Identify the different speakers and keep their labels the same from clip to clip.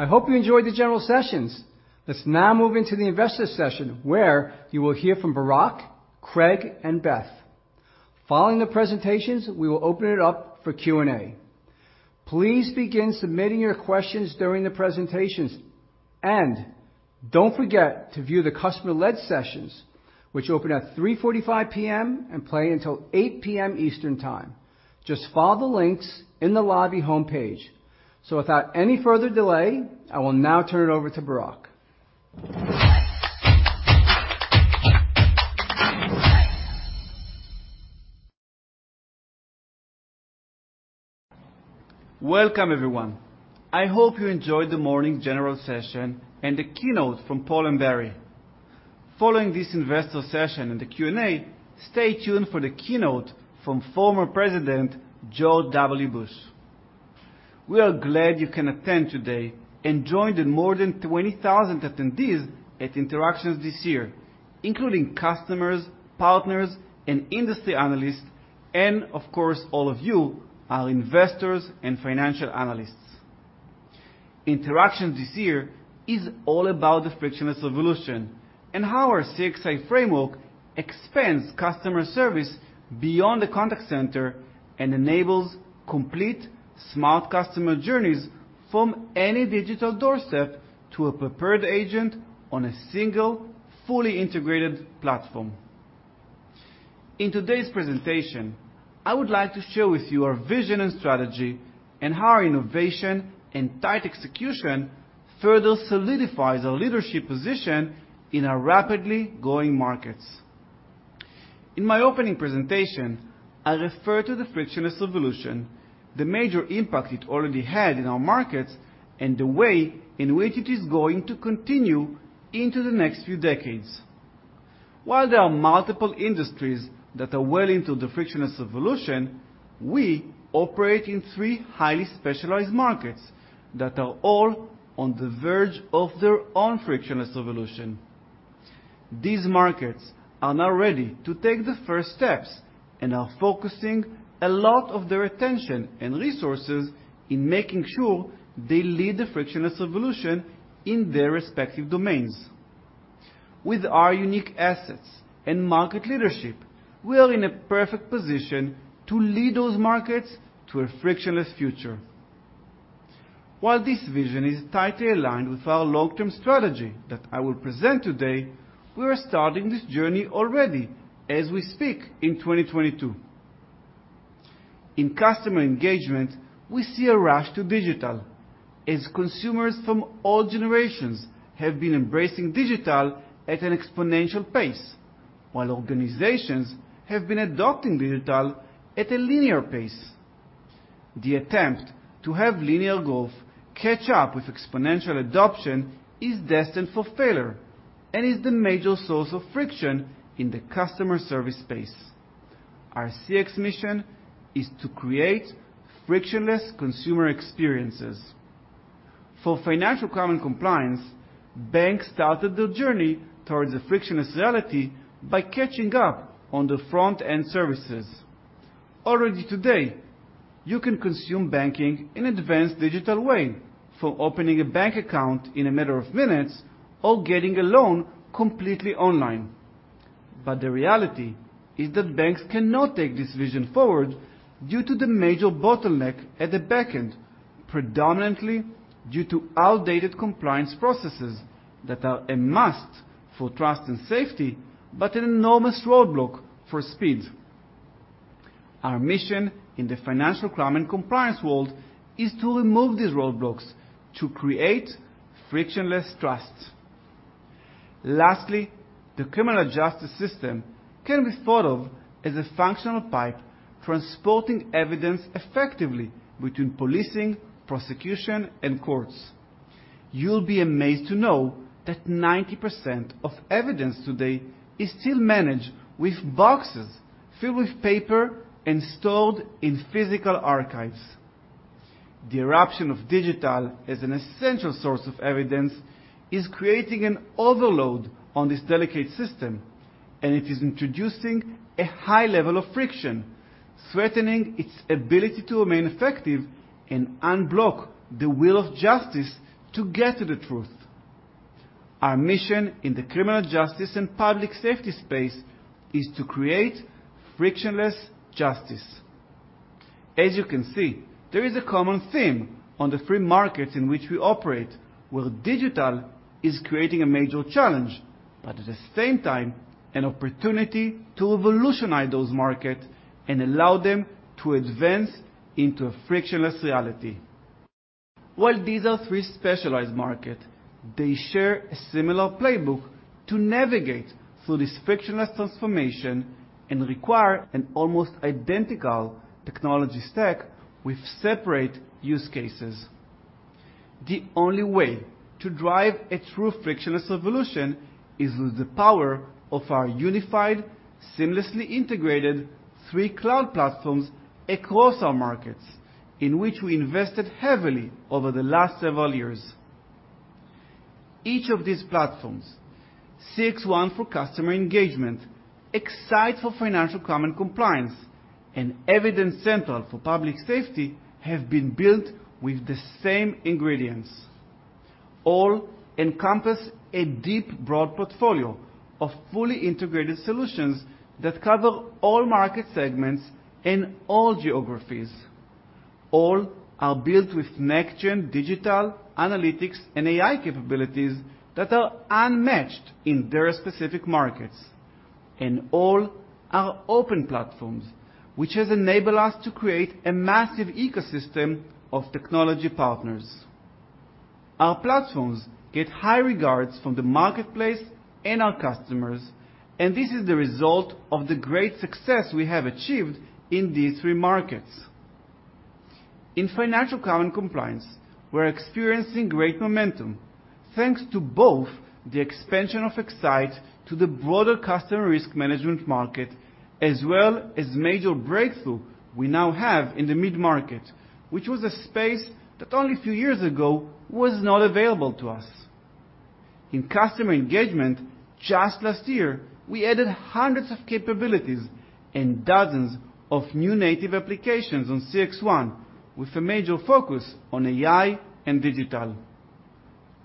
Speaker 1: I hope you enjoyed the general sessions. Let's now move into the investor session where you will hear from Barak, Craig, and Beth. Following the presentations, we will open it up for Q&A. Please begin submitting your questions during the presentations and don't forget to view the customer-led sessions, which open at 3:45 P.M. and play until 8:00 P.M. Eastern Time. Just follow the links in the lobby homepage. Without any further delay, I will now turn it over to Barak.
Speaker 2: Welcome, everyone. I hope you enjoyed the morning general session and the keynote from Paul and Barry. Following this investor session in the Q&A, stay tuned for the keynote from former President George W. Bush. We are glad you can attend today and join the more than 20,000 attendees at Interactions this year, including customers, partners, and industry analysts, and of course, all of you, our investors and financial analysts. Interactions this year is all about the frictionless revolution and how our CXi framework expands customer service beyond the contact center and enables complete smart customer journeys from any digital doorstep to a prepared agent on a single fully integrated platform. In today's presentation, I would like to share with you our vision and strategy and how our innovation and tight execution further solidifies our leadership position in our rapidly growing markets. In my opening presentation, I refer to the frictionless revolution, the major impact it already had in our markets, and the way in which it is going to continue into the next few decades. While there are multiple industries that are well into the frictionless revolution, we operate in three highly specialized markets that are all on the verge of their own frictionless revolution. These markets are now ready to take the first steps and are focusing a lot of their attention and resources in making sure they lead the frictionless revolution in their respective domains. With our unique assets and market leadership, we are in a perfect position to lead those markets to a frictionless future. While this vision is tightly aligned with our long-term strategy that I will present today, we are starting this journey already as we speak in 2022. In customer engagement, we see a rush to digital as consumers from all generations have been embracing digital at an exponential pace, while organizations have been adopting digital at a linear pace. The attempt to have linear growth catch up with exponential adoption is destined for failure and is the major source of friction in the customer service space. Our CX mission is to create frictionless consumer experiences. For financial crime and compliance, banks started their journey towards a frictionless reality by catching up on the front-end services. Already today, you can consume banking in advanced digital way for opening a bank account in a matter of minutes or getting a loan completely online. The reality is that banks cannot take this vision forward due to the major bottleneck at the back end, predominantly due to outdated compliance processes that are a must for trust and safety, but an enormous roadblock for speed. Our mission in the financial crime and compliance world is to remove these roadblocks to create frictionless trust. Lastly, the criminal justice system can be thought of as a functional pipe transporting evidence effectively between policing, prosecution, and courts. You'll be amazed to know that 90% of evidence today is still managed with boxes filled with paper and stored in physical archives. The eruption of digital as an essential source of evidence is creating an overload on this delicate system and it is introducing a high level of friction, threatening its ability to remain effective and unblock the will of justice to get to the truth. Our mission in the criminal justice and public safety space is to create frictionless justice. As you can see, there is a common theme on the free markets in which we operate, where digital is creating a major challenge, but at the same time, an opportunity to revolutionize those markets and allow them to advance into a frictionless reality. While these are three specialized markets, they share a similar playbook to navigate through this frictionless transformation and require an almost identical technology stack with separate use cases. The only way to drive a true frictionless revolution is with the power of our unified, seamlessly integrated three cloud platforms across our markets, in which we invested heavily over the last several years. Each of these platforms, CXone for customer engagement, X-Sight for financial crime and compliance, and Evidencentral for public safety, have been built with the same ingredients. All encompass a deep, broad portfolio of fully integrated solutions that cover all market segments and all geographies. All are built with next-gen digital analytics and AI capabilities that are unmatched in their specific markets. All are open platforms, which has enabled us to create a massive ecosystem of technology partners. Our platforms get high regards from the marketplace and our customers, and this is the result of the great success we have achieved in these three markets. In financial crime and compliance, we're experiencing great momentum, thanks to both the expansion of X-Sight to the broader customer risk management market, as well as major breakthrough we now have in the mid-market, which was a space that only a few years ago was not available to us. In customer engagement, just last year, we added hundreds of capabilities and dozens of new native applications on CXone with a major focus on AI and digital.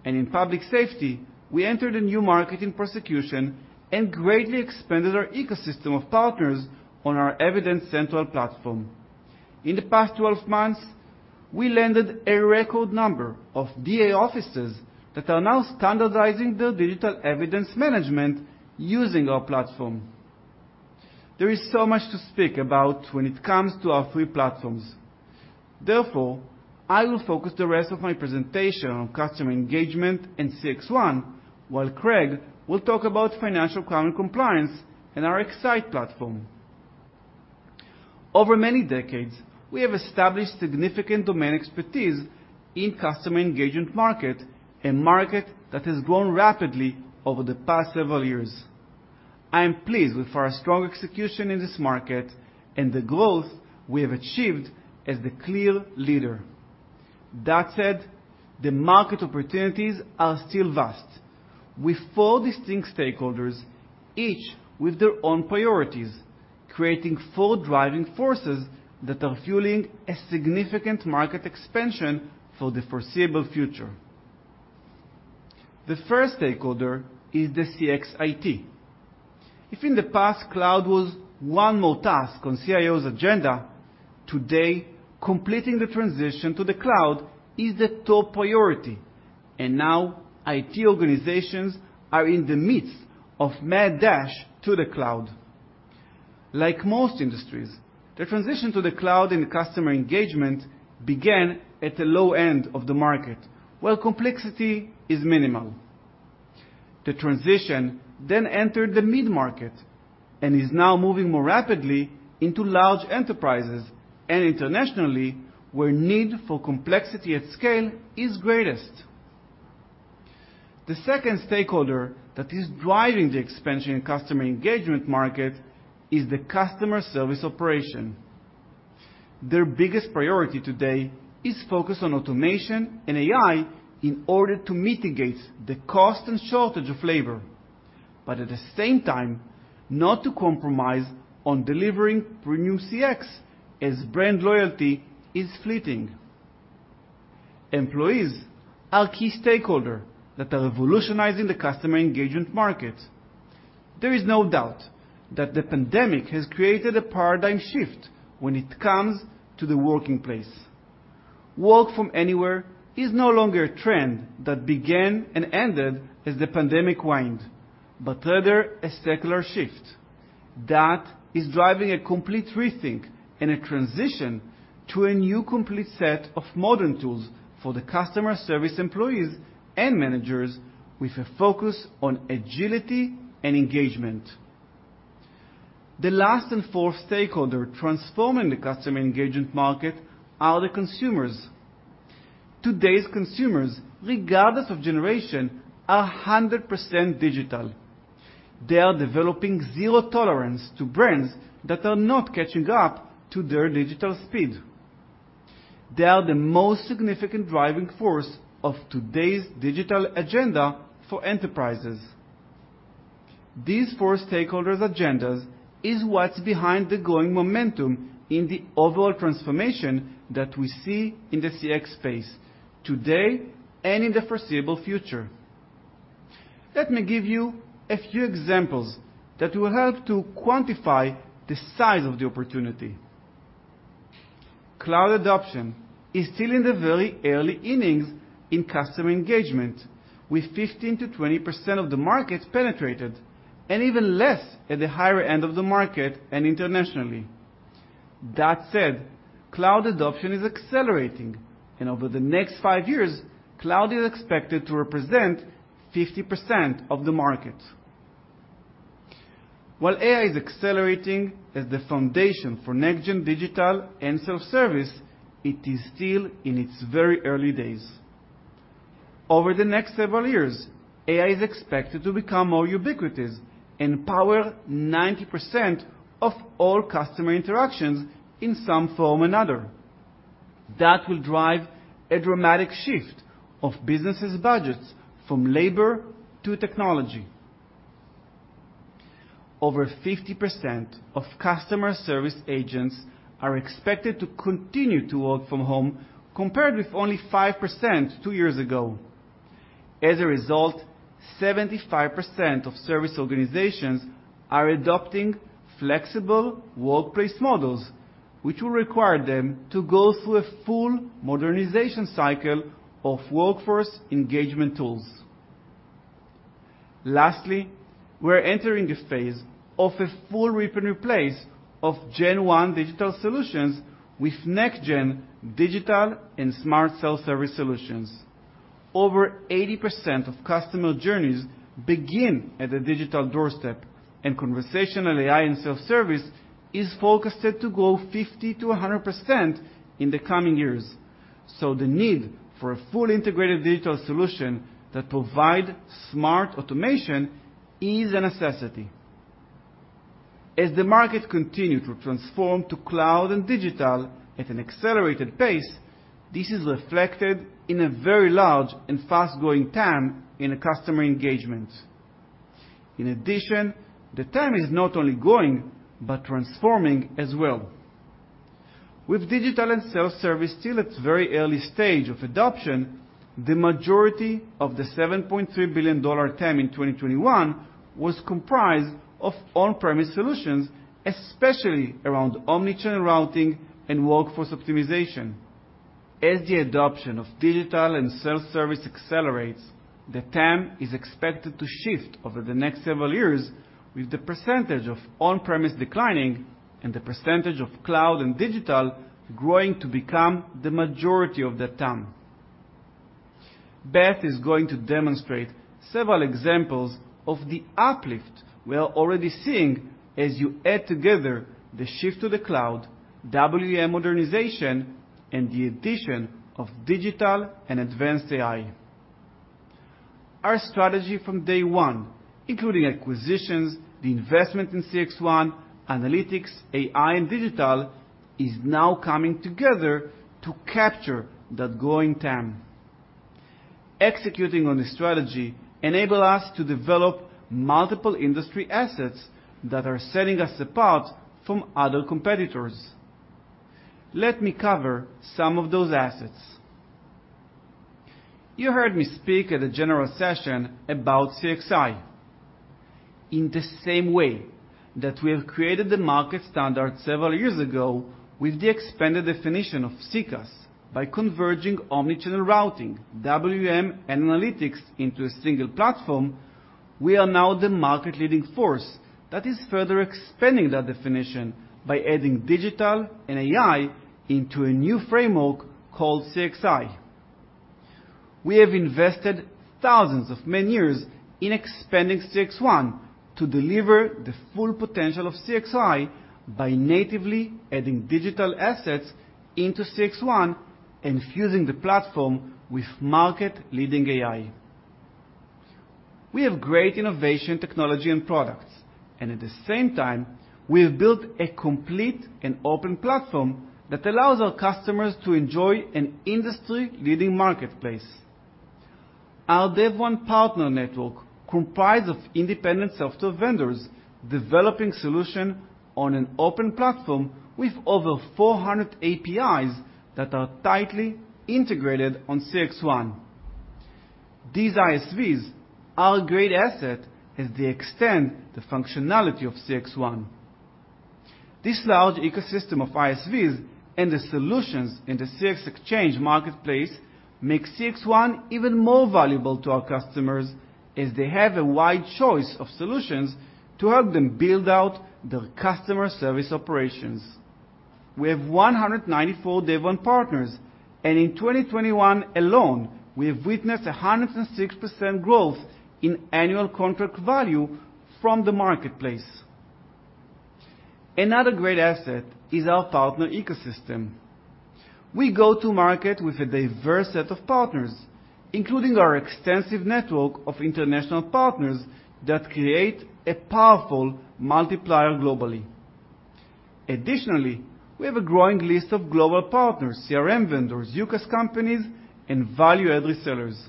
Speaker 2: In public safety, we entered a new market in prosecution and greatly expanded our ecosystem of partners on our Evidencentral platform. In the past 12 months, we landed a record number of DA offices that are now standardizing their digital evidence management using our platform. There is so much to speak about when it comes to our three platforms. Therefore, I will focus the rest of my presentation on customer engagement and CXone, while Craig will talk about financial crime and compliance and our X-Sight platform. Over many decades, we have established significant domain expertise in customer engagement market, a market that has grown rapidly over the past several years. I am pleased with our strong execution in this market and the growth we have achieved as the clear leader. That said, the market opportunities are still vast, with four distinct stakeholders, each with their own priorities, creating four driving forces that are fueling a significant market expansion for the foreseeable future. The first stakeholder is the CX IT. If in the past, cloud was one more task on CIO's agenda, today, completing the transition to the cloud is the top priority and now IT organizations are in the midst of mad dash to the cloud. Like most industries, the transition to the cloud in customer engagement began at the low end of the market, where complexity is minimal. The transition then entered the mid-market and is now moving more rapidly into large enterprises and internationally, where need for complexity at scale is greatest. The second stakeholder that is driving the expansion in customer engagement market is the customer service operation. Their biggest priority today is focus on automation and AI in order to mitigate the cost and shortage of labor, but at the same time, not to compromise on delivering premium CX as brand loyalty is fleeting. Employees are key stakeholder that are revolutionizing the customer engagement market. There is no doubt that the pandemic has created a paradigm shift when it comes to the workplace. Work from anywhere is no longer a trend that began and ended as the pandemic waned, but rather a secular shift. That is driving a complete rethink and a transition to a new complete set of modern tools for the customer service employees and managers with a focus on agility and engagement. The last and fourth stakeholder transforming the customer engagement market are the consumers. Today's consumers, regardless of generation, are 100% digital. They are developing zero tolerance to brands that are not catching up to their digital speed. They are the most significant driving force of today's digital agenda for enterprises. These four stakeholders agendas is what's behind the growing momentum in the overall transformation that we see in the CX space today and in the foreseeable future. Let me give you a few examples that will help to quantify the size of the opportunity. Cloud adoption is still in the very early innings in customer engagement, with 15%-20% of the markets penetrated, and even less at the higher end of the market and internationally. That said, cloud adoption is accelerating, and over the next five years, cloud is expected to represent 50% of the market. While AI is accelerating as the foundation for next-gen digital and self-service, it is still in its very early days. Over the next several years, AI is expected to become more ubiquitous and power 90% of all customer interactions in some form or another. That will drive a dramatic shift of businesses' budgets from labor to technology. Over 50% of customer service agents are expected to continue to work from home, compared with only 5% two years ago. As a result, 75% of service organizations are adopting flexible workplace models, which will require them to go through a full modernization cycle of workforce engagement tools. Lastly, we're entering a phase of a full rip and replace of Gen 1 digital solutions with next-gen digital and smart self-service solutions. Over 80% of customer journeys begin at a digital doorstep, and conversational AI and self-service is forecasted to grow 50%-100% in the coming years. The need for a fully integrated digital solution that provide smart automation is a necessity. As the market continue to transform to cloud and digital at an accelerated pace, this is reflected in a very large and fast-growing TAM in customer engagements. In addition, the TAM is not only growing, but transforming as well. With digital and self-service still at very early stage of adoption, the majority of the $7.3 billion TAM in 2021 was comprised of on-premise solutions, especially around omni-channel routing and workforce optimization. As the adoption of digital and self-service accelerates, the TAM is expected to shift over the next several years with the percentage of on-premise declining and the percentage of cloud and digital growing to become the majority of the TAM. Beth is going to demonstrate several examples of the uplift we are already seeing as you add together the shift to the cloud, WEM modernization, and the addition of digital and advanced AI. Our strategy from day one, including acquisitions, the investment in CXone, analytics, AI, and digital, is now coming together to capture that growing TAM. Executing on the strategy enable us to develop multiple industry assets that are setting us apart from other competitors. Let me cover some of those assets. You heard me speak at a general session about CXI. In the same way that we have created the market standard several years ago with the expanded definition of CCaaS by converging omni-channel routing, WEM, and analytics into a single platform, we are now the market leading force that is further expanding that definition by adding digital and AI into a new framework called CXI. We have invested thousands of man years in expanding CXone to deliver the full potential of CXI by natively adding digital assets into CXone and fusing the platform with market leading AI. We have great innovation technology and products, and at the same time, we have built a complete and open platform that allows our customers to enjoy an industry-leading marketplace. Our DEVone partner network comprise of independent software vendors developing solution on an open platform with over 400 APIs that are tightly integrated on CXone. These ISVs are a great asset as they extend the functionality of CXone. This large ecosystem of ISVs and the solutions in the CXexchange marketplace make CXone even more valuable to our customers as they have a wide choice of solutions to help them build out their customer service operations. We have 194 DEVone partners and in 2021 alone, we have witnessed a 106% growth in annual contract value from the marketplace. Another great asset is our partner ecosystem. We go to market with a diverse set of partners, including our extensive network of international partners that create a powerful multiplier globally. Additionally, we have a growing list of global partners, CRM vendors, UCaaS companies, and value-added resellers.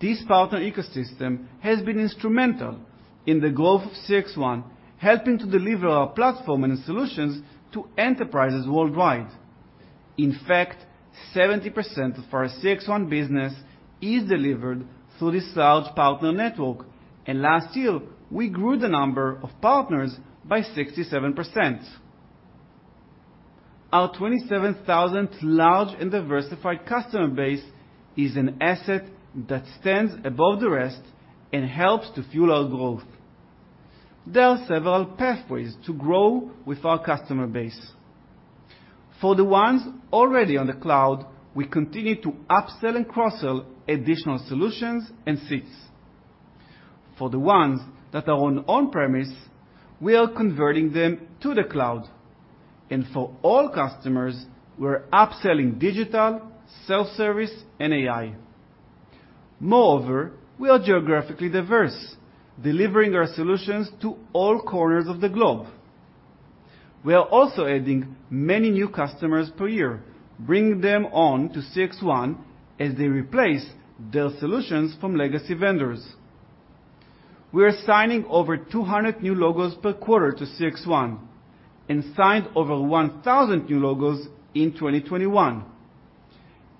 Speaker 2: This partner ecosystem has been instrumental in the growth of CXone, helping to deliver our platform and solutions to enterprises worldwide. In fact, 70% of our CXone business is delivered through this large partner network. Last year, we grew the number of partners by 67%. Our 27,000 large and diversified customer base is an asset that stands above the rest and helps to fuel our growth. There are several pathways to grow with our customer base. For the ones already on the cloud, we continue to up-sell and cross-sell additional solutions and seats. For the ones that are on-premise, we are converting them to the cloud. For all customers, we're up-selling digital, self-service, and AI. Moreover, we are geographically diverse, delivering our solutions to all corners of the globe. We are also adding many new customers per year, bringing them on to CXone as they replace their solutions from legacy vendors. We are signing over 200 new logos per quarter to CXone and signed over 1,000 new logos in 2021.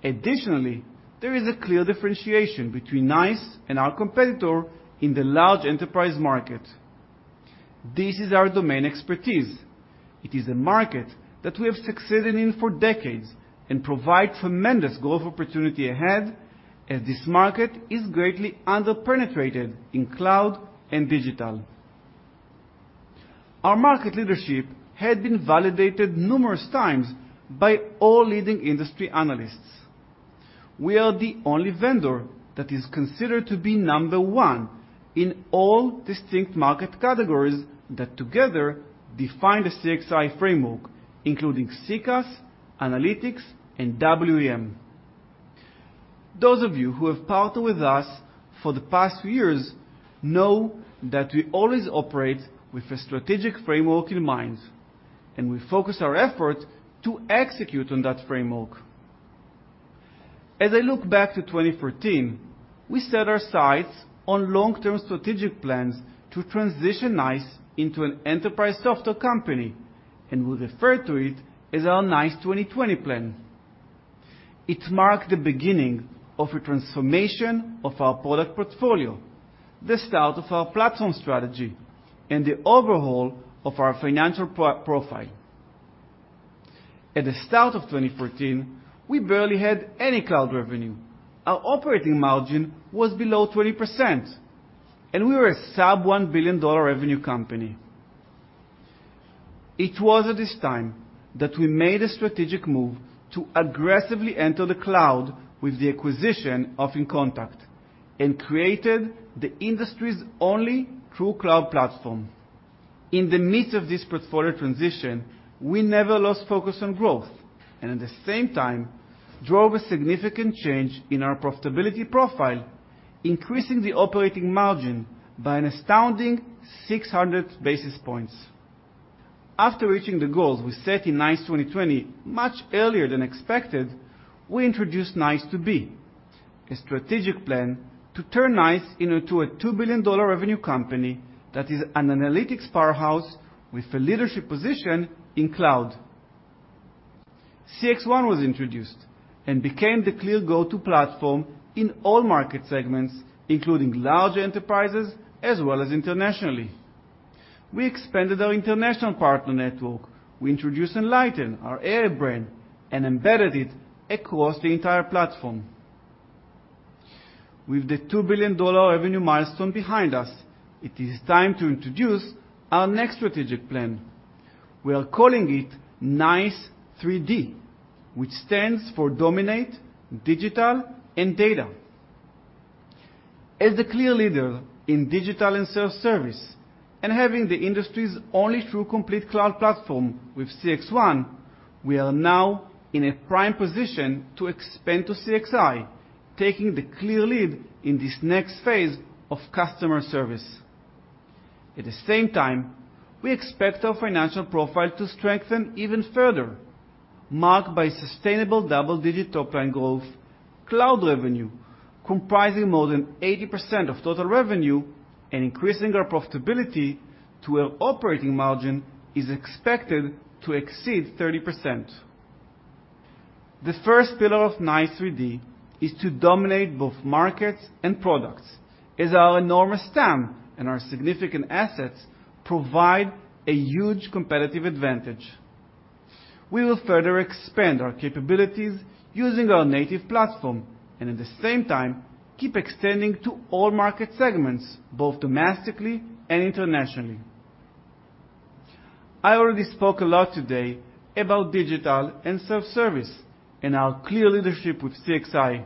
Speaker 2: Additionally, there is a clear differentiation between NICE and our competitor in the large enterprise market. This is our domain expertise. It is a market that we have succeeded in for decades and provide tremendous growth opportunity ahead as this market is greatly under-penetrated in cloud and digital. Our market leadership had been validated numerous times by all leading industry analysts. We are the only vendor that is considered to be number one in all distinct market categories that together define the CXI framework, including CCaaS, Analytics, and WEM. Those of you who have partnered with us for the past years know that we always operate with a strategic framework in mind, and we focus our effort to execute on that framework. As I look back to 2014, we set our sights on long-term strategic plans to transition NICE into an enterprise software company, and we refer to it as our NICE 2020 plan. It marked the beginning of a transformation of our product portfolio, the start of our platform strategy, and the overhaul of our financial profile. At the start of 2014, we barely had any cloud revenue. Our operating margin was below 20%, and we were a sub-$1 billion revenue company. It was at this time that we made a strategic move to aggressively enter the cloud with the acquisition of inContact and created the industry's only true cloud platform. In the midst of this portfolio transition, we never lost focus on growth and at the same time drove a significant change in our profitability profile, increasing the operating margin by an astounding 600 basis points. After reaching the goals we set in NICE 2020 much earlier than expected, we introduced NICE 2B, a strategic plan to turn NICE into a $2 billion revenue company that is an analytics powerhouse with a leadership position in cloud. CXone was introduced and became the clear go-to platform in all market segments, including large enterprises as well as internationally. We expanded our international partner network. We introduced Enlighten, our AI brand, and embedded it across the entire platform. With the $2 billion revenue milestone behind us, it is time to introduce our next strategic plan. We are calling it NICE 3D, which stands for Dominate, Digital, and Data. As the clear leader in digital and self-service and having the industry's only true complete cloud platform with CXone, we are now in a prime position to expand to CXI, taking the clear lead in this next phase of customer service. At the same time, we expect our financial profile to strengthen even further, marked by sustainable double-digit top-line growth, cloud revenue comprising more than 80% of total revenue and increasing our profitability to where operating margin is expected to exceed 30%. The first pillar of NICE 3D is to dominate both markets and products, as our enormous TAM and our significant assets provide a huge competitive advantage. We will further expand our capabilities using our native platform and at the same time keep extending to all market segments, both domestically and internationally. I already spoke a lot today about digital and self-service and our clear leadership with CXI.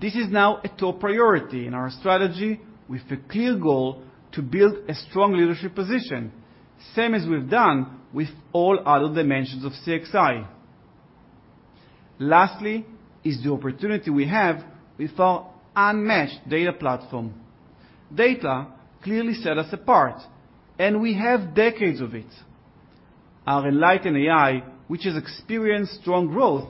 Speaker 2: This is now a top priority in our strategy with a clear goal to build a strong leadership position, same as we've done with all other dimensions of CXI. Lastly, is the opportunity we have with our unmatched data platform. Data clearly set us apart, and we have decades of it. Our Enlighten AI, which has experienced strong growth,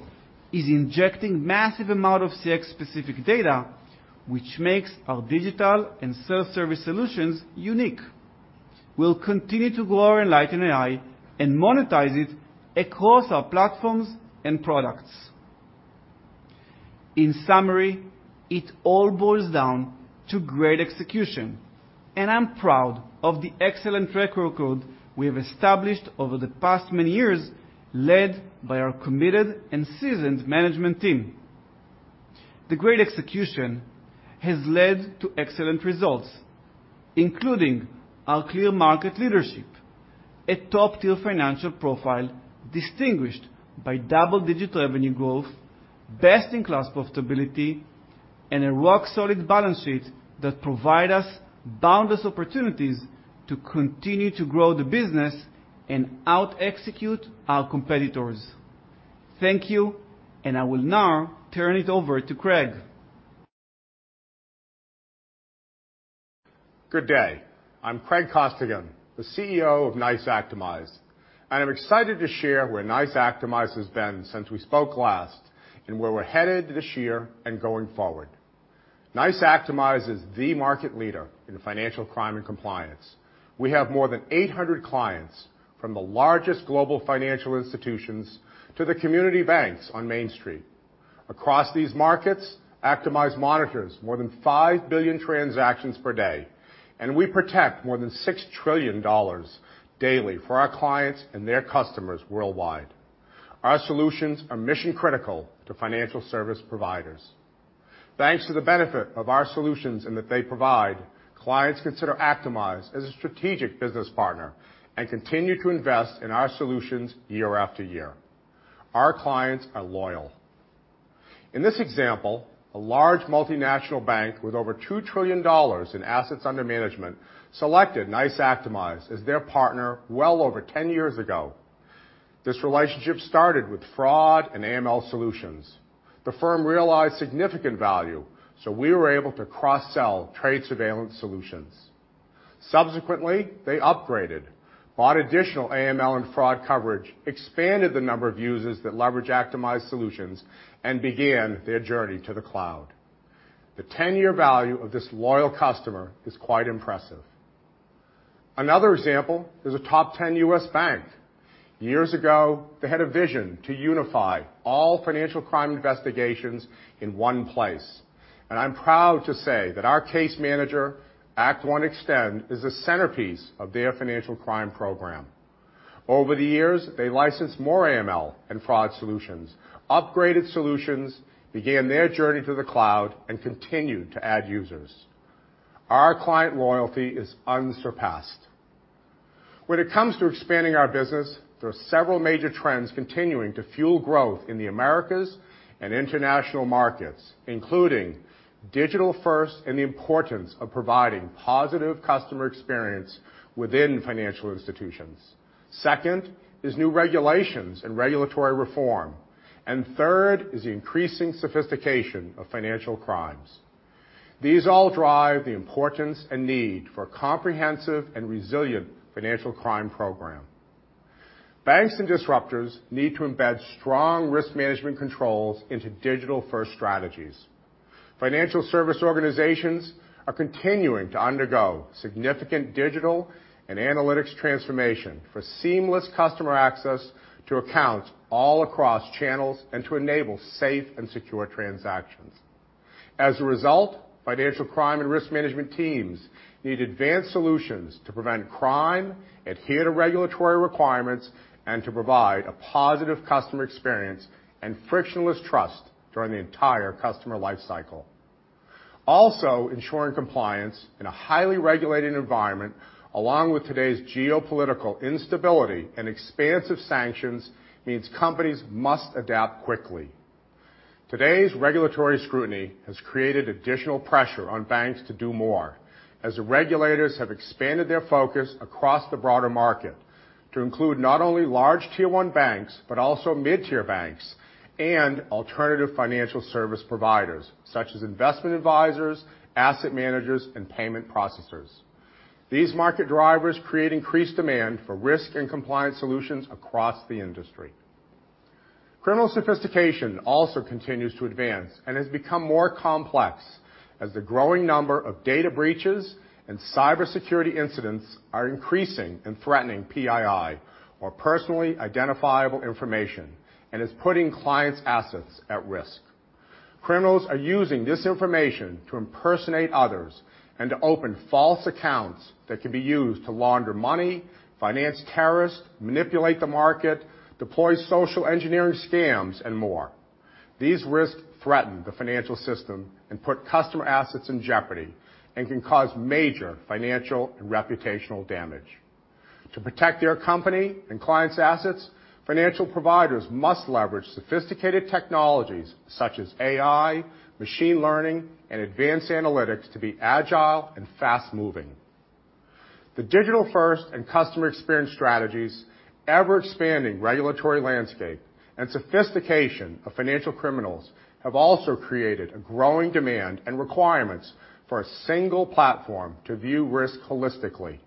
Speaker 2: is injecting massive amount of CX specific data, which makes our digital and self-service solutions unique. We'll continue to grow our Enlighten AI and monetize it across our platforms and products. In summary, it all boils down to great execution, and I'm proud of the excellent track record we have established over the past many years, led by our committed and seasoned management team. The great execution has led to excellent results, including our clear market leadership, a top-tier financial profile distinguished by double-digit revenue growth, best-in-class profitability, and a rock-solid balance sheet that provide us boundless opportunities to continue to grow the business and out-execute our competitors. Thank you, and I will now turn it over to Craig.
Speaker 3: Good day. I'm Craig Costigan, the CEO of NICE Actimize, and I'm excited to share where NICE Actimize has been since we spoke last and where we're headed this year and going forward. NICE Actimize is the market leader in financial crime and compliance. We have more than 800 clients from the largest global financial institutions to the community banks on Main Street. Across these markets, Actimize monitors more than 5 billion transactions per day and we protect more than $6 trillion daily for our clients and their customers worldwide. Our solutions are mission-critical to financial service providers. Thanks to the benefit of our solutions and that they provide, clients consider Actimize as a strategic business partner and continue to invest in our solutions year after year. Our clients are loyal. In this example, a large multinational bank with over $2 trillion in assets under management selected NICE Actimize as their partner well over 10 years ago. This relationship started with fraud and AML solutions. The firm realized significant value, so we were able to cross-sell trade surveillance solutions. Subsequently, they upgraded, bought additional AML and fraud coverage, expanded the number of users that leverage Actimize solutions, and began their journey to the cloud. The 10-year value of this loyal customer is quite impressive. Another example is a top 10 U.S. bank. Years ago, they had a vision to unify all financial crime investigations in one place, and I'm proud to say that our case manager, ActOne Extend, is the centerpiece of their financial crime program. Over the years, they licensed more AML and fraud solutions, upgraded solutions, began their journey to the cloud, and continued to add users. Our client loyalty is unsurpassed. When it comes to expanding our business, there are several major trends continuing to fuel growth in the Americas and international markets, including digital-first and the importance of providing positive customer experience within financial institutions. Second is new regulations and regulatory reform. Third is the increasing sophistication of financial crimes. These all drive the importance and need for a comprehensive and resilient financial crime program. Banks and disruptors need to embed strong risk management controls into digital-first strategies. Financial service organizations are continuing to undergo significant digital and analytics transformation for seamless customer access to accounts all across channels and to enable safe and secure transactions. As a result, financial crime and risk management teams need advanced solutions to prevent crime, adhere to regulatory requirements, and to provide a positive customer experience and frictionless trust during the entire customer life cycle. Also, ensuring compliance in a highly regulated environment, along with today's geopolitical instability and expansive sanctions, means companies must adapt quickly. Today's regulatory scrutiny has created additional pressure on banks to do more as the regulators have expanded their focus across the broader market to include not only large tier one banks, but also mid-tier banks and alternative financial service providers such as investment advisors, asset managers, and payment processors. These market drivers create increased demand for risk and compliance solutions across the industry. Criminal sophistication also continues to advance and has become more complex as the growing number of data breaches and cybersecurity incidents are increasing and threatening PII or personally identifiable information and is putting clients' assets at risk. Criminals are using this information to impersonate others and to open false accounts that can be used to launder money, finance terrorists, manipulate the market, deploy social engineering scams, and more. These risks threaten the financial system and put customer assets in jeopardy and can cause major financial and reputational damage. To protect their company and clients' assets, financial providers must leverage sophisticated technologies such as AI, machine learning, and advanced analytics to be agile and fast-moving. The digital first and customer experience strategies, ever-expanding regulatory landscape, and sophistication of financial criminals have also created a growing demand and requirements for a single platform to view risk holistically.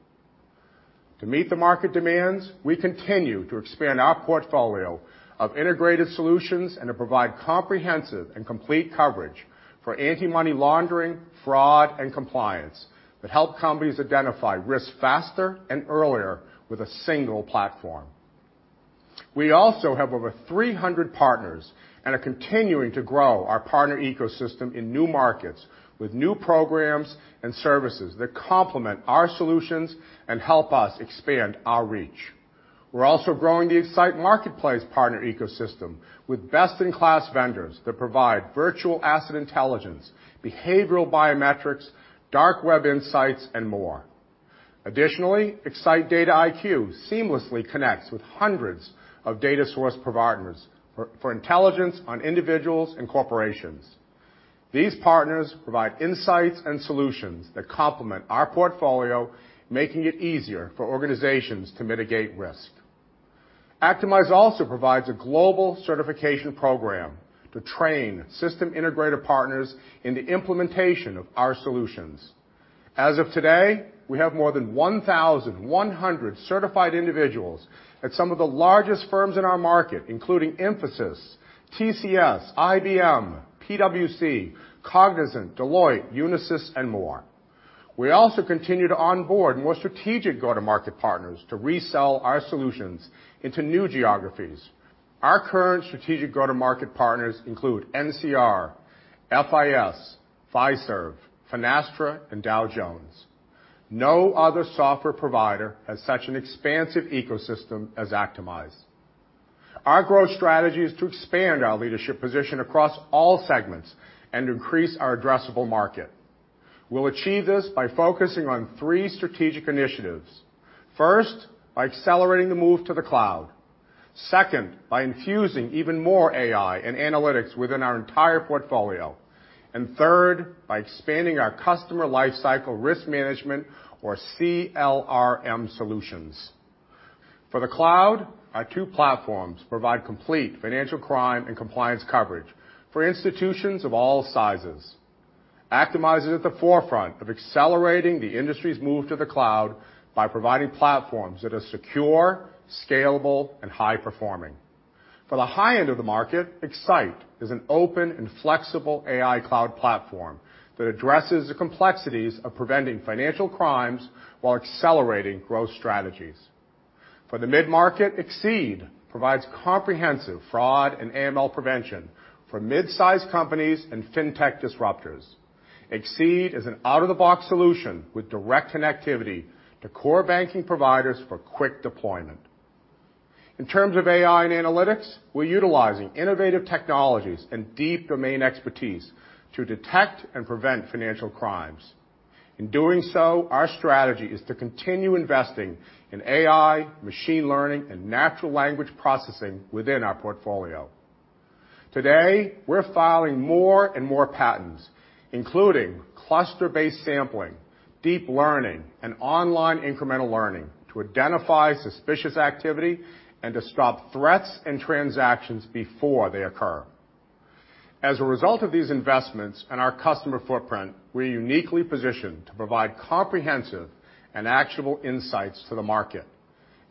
Speaker 3: To meet the market demands, we continue to expand our portfolio of integrated solutions and to provide comprehensive and complete coverage for anti-money laundering, fraud, and compliance that help companies identify risk faster and earlier with a single platform. We also have over 300 partners and are continuing to grow our partner ecosystem in new markets with new programs and services that complement our solutions and help us expand our reach. We're also growing the X-Sight Marketplace partner ecosystem with best-in-class vendors that provide virtual asset intelligence, behavioral biometrics, dark web insights, and more. Additionally, X-Sight DataIQ seamlessly connects with hundreds of data source providers for intelligence on individuals and corporations. These partners provide insights and solutions that complement our portfolio, making it easier for organizations to mitigate risk. Actimize also provides a global certification program to train system integrator partners in the implementation of our solutions. As of today, we have more than 1,100 certified individuals at some of the largest firms in our market, including Mphasis, TCS, IBM, PwC, Cognizant, Deloitte, Unisys and more. We also continue to onboard more strategic go-to-market partners to resell our solutions into new geographies. Our current strategic go-to-market partners include NCR, FIS, Fiserv, Finastra and Dow Jones. No other software provider has such an expansive ecosystem as Actimize. Our growth strategy is to expand our leadership position across all segments and increase our addressable market. We'll achieve this by focusing on three strategic initiatives. First, by accelerating the move to the cloud. Second, by infusing even more AI and analytics within our entire portfolio. Third, by expanding our customer lifecycle risk management or CLRM solutions. For the cloud, our two platforms provide complete financial crime and compliance coverage for institutions of all sizes. Actimize is at the forefront of accelerating the industry's move to the cloud by providing platforms that are secure, scalable and high-performing. For the high end of the market, X-Sight is an open and flexible AI cloud platform that addresses the complexities of preventing financial crimes while accelerating growth strategies. For the mid-market, Xceed provides comprehensive fraud and AML prevention for mid-size companies and fintech disruptors. Xceed is an out-of-the-box solution with direct connectivity to core banking providers for quick deployment. In terms of AI and analytics, we're utilizing innovative technologies and deep domain expertise to detect and prevent financial crimes. In doing so, our strategy is to continue investing in AI, machine learning, and natural language processing within our portfolio. Today, we're filing more and more patents, including cluster-based sampling, deep learning, and online incremental learning to identify suspicious activity and to stop threats and transactions before they occur. As a result of these investments and our customer footprint, we're uniquely positioned to provide comprehensive and actionable insights to the market.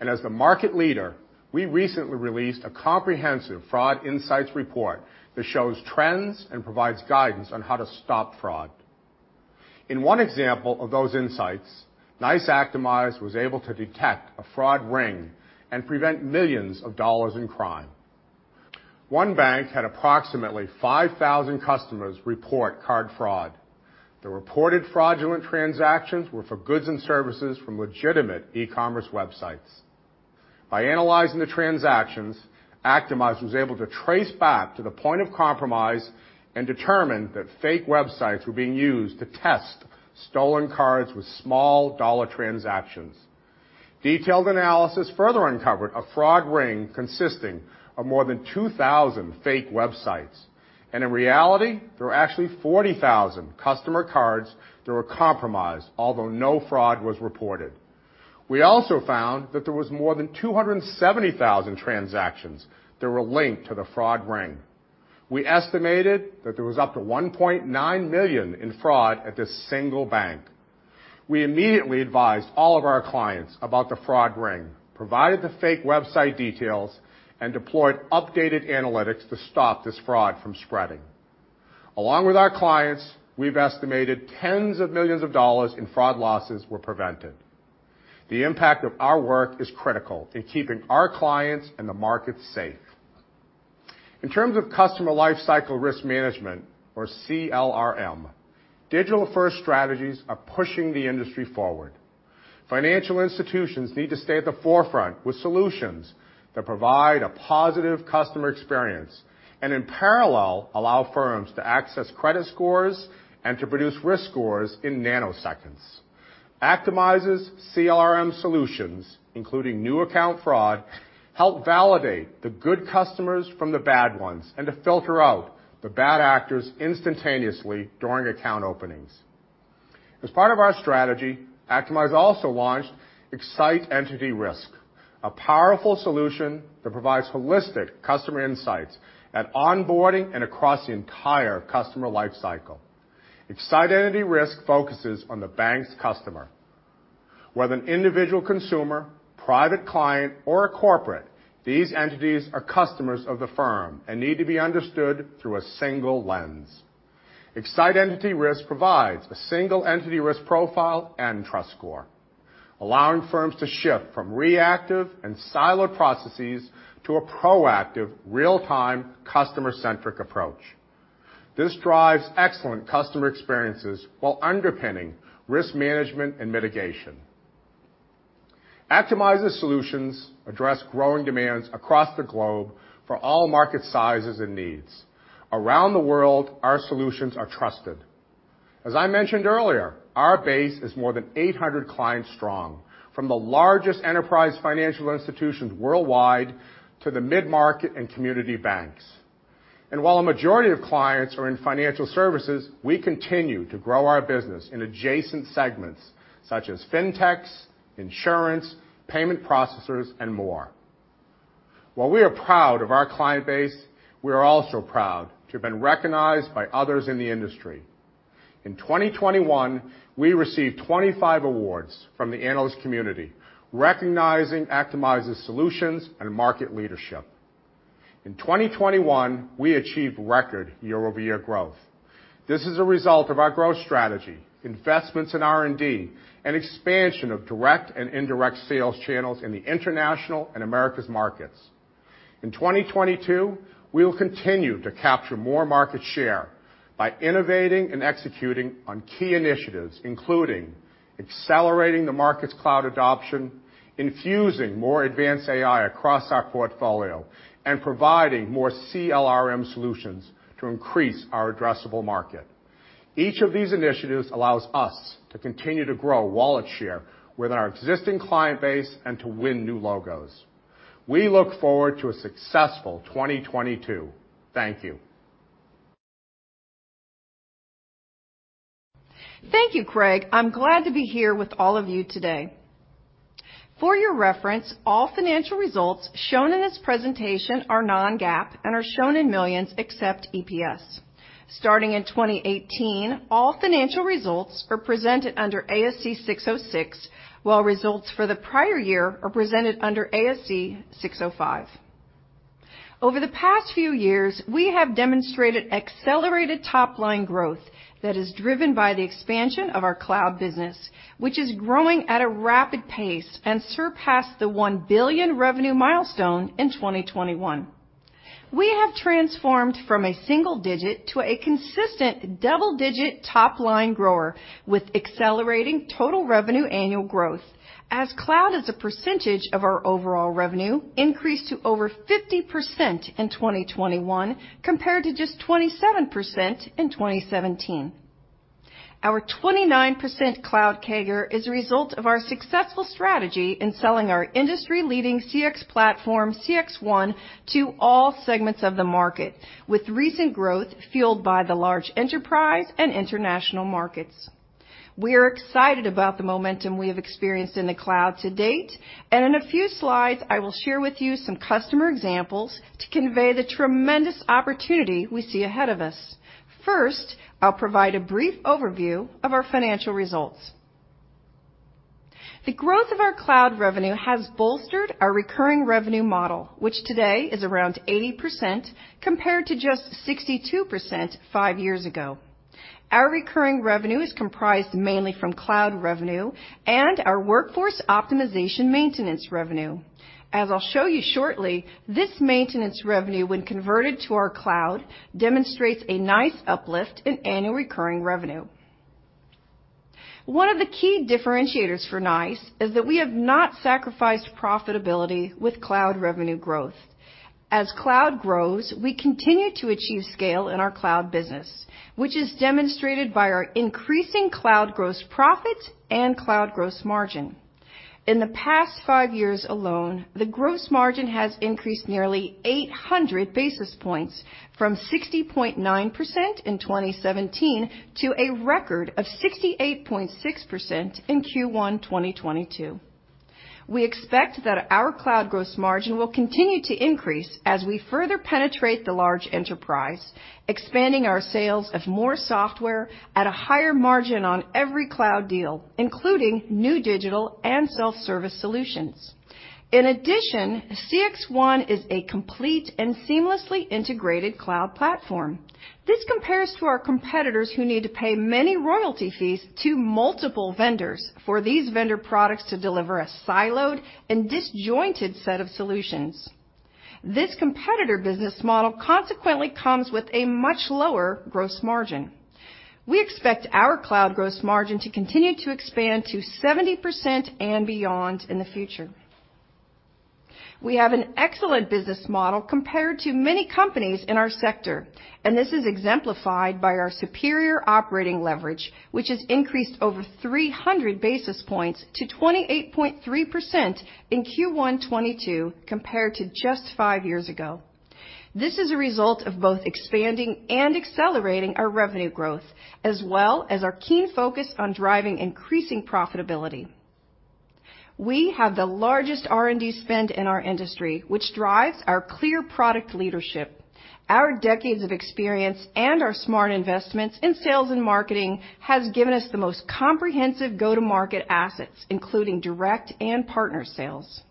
Speaker 3: As the market leader, we recently released a comprehensive fraud insights report that shows trends and provides guidance on how to stop fraud. In one example of those insights, NICE Actimize was able to detect a fraud ring and prevent millions of dollars in crime. One bank had approximately 5,000 customers report card fraud. The reported fraudulent transactions were for goods and services from legitimate e-commerce websites. By analyzing the transactions, Actimize was able to trace back to the point of compromise and determine that fake websites were being used to test stolen cards with small dollar transactions. Detailed analysis further uncovered a fraud ring consisting of more than 2,000 fake websites and in reality, there were actually 40,000 customer cards that were compromised, although no fraud was reported. We also found that there was more than 270,000 transactions that were linked to the fraud ring. We estimated that there was up to $1.9 million in fraud at this single bank. We immediately advised all of our clients about the fraud ring, provided the fake website details, and deployed updated analytics to stop this fraud from spreading. Along with our clients, we've estimated tens of millions of dollars in fraud losses were prevented. The impact of our work is critical in keeping our clients and the market safe. In terms of Customer Lifecycle Risk Management or CLRM, digital-first strategies are pushing the industry forward. Financial institutions need to stay at the forefront with solutions that provide a positive customer experience, and in parallel, allow firms to access credit scores and to produce risk scores in nanoseconds. Actimize's CLRM solutions, including new account fraud, help validate the good customers from the bad ones and to filter out the bad actors instantaneously during account openings. As part of our strategy, Actimize also launched X-Sight Entity Risk, a powerful solution that provides holistic customer insights at onboarding and across the entire customer lifecycle. X-Sight Entity Risk focuses on the bank's customer. Whether an individual consumer, private client, or a corporate. These entities are customers of the firm and need to be understood through a single lens. X-Sight Entity Risk provides a single entity risk profile and trust score, allowing firms to shift from reactive and siloed processes to a proactive, real-time, customer-centric approach. This drives excellent customer experiences while underpinning risk management and mitigation. Actimize's solutions address growing demands across the globe for all market sizes and needs. Around the world, our solutions are trusted. As I mentioned earlier, our base is more than 800 clients strong, from the largest enterprise financial institutions worldwide to the mid-market and community banks. While a majority of clients are in financial services, we continue to grow our business in adjacent segments such as FinTechs, insurance, payment processors, and more. While we are proud of our client base, we are also proud to have been recognized by others in the industry. In 2021, we received 25 awards from the analyst community, recognizing NICE Actimize's solutions and market leadership. In 2021, we achieved record year-over-year growth. This is a result of our growth strategy, investments in R&D, and expansion of direct and indirect sales channels in the international and Americas markets. In 2022, we will continue to capture more market share by innovating and executing on key initiatives, including accelerating the market's cloud adoption, infusing more advanced AI across our portfolio, and providing more CLRM solutions to increase our addressable market. Each of these initiatives allows us to continue to grow wallet share with our existing client base and to win new logos. We look forward to a successful 2022. Thank you.
Speaker 4: Thank you, Craig. I'm glad to be here with all of you today. For your reference, all financial results shown in this presentation are non-GAAP and are shown in millions except EPS. Starting in 2018, all financial results are presented under ASC 606, while results for the prior year are presented under ASC 605. Over the past few years, we have demonstrated accelerated top-line growth that is driven by the expansion of our cloud business, which is growing at a rapid pace and surpassed the $1 billion revenue milestone in 2021. We have transformed from a single digit to a consistent double-digit top-line grower with accelerating total revenue annual growth as cloud as a percentage of our overall revenue increased to over 50% in 2021 compared to just 27% in 2017. Our 29% cloud CAGR is a result of our successful strategy in selling our industry-leading CX platform, CXone, to all segments of the market, with recent growth fueled by the large enterprise and international markets. We are excited about the momentum we have experienced in the cloud to date, and in a few slides, I will share with you some customer examples to convey the tremendous opportunity we see ahead of us. First, I'll provide a brief overview of our financial results. The growth of our cloud revenue has bolstered our recurring revenue model, which today is around 80% compared to just 62% five years ago. Our recurring revenue is comprised mainly from cloud revenue and our workforce optimization maintenance revenue. As I'll show you shortly, this maintenance revenue, when converted to our cloud, demonstrates a nice uplift in annual recurring revenue. One of the key differentiators for NICE is that we have not sacrificed profitability with cloud revenue growth. As cloud grows, we continue to achieve scale in our cloud business, which is demonstrated by our increasing cloud gross profit and cloud gross margin. In the past five years alone, the gross margin has increased nearly 800 basis points from 60.9% in 2017 to a record of 68.6% in Q1 2022. We expect that our cloud gross margin will continue to increase as we further penetrate the large enterprise, expanding our sales of more software at a higher margin on every cloud deal, including new digital and self-service solutions. In addition, CXone is a complete and seamlessly integrated cloud platform. This compares to our competitors who need to pay many royalty fees to multiple vendors for these vendor products to deliver a siloed and disjointed set of solutions. This competitor business model consequently comes with a much lower gross margin. We expect our cloud gross margin to continue to expand to 70% and beyond in the future. We have an excellent business model compared to many companies in our sector, and this is exemplified by our superior operating leverage, which has increased over 300 basis points to 28.3% in Q1 2022 compared to just five years ago. This is a result of both expanding and accelerating our revenue growth, as well as our keen focus on driving increasing profitability. We have the largest R&D spend in our industry, which drives our clear product leadership. Our decades of experience and our smart investments in sales and marketing has given us the most comprehensive go-to-market assets, including direct and partner sales.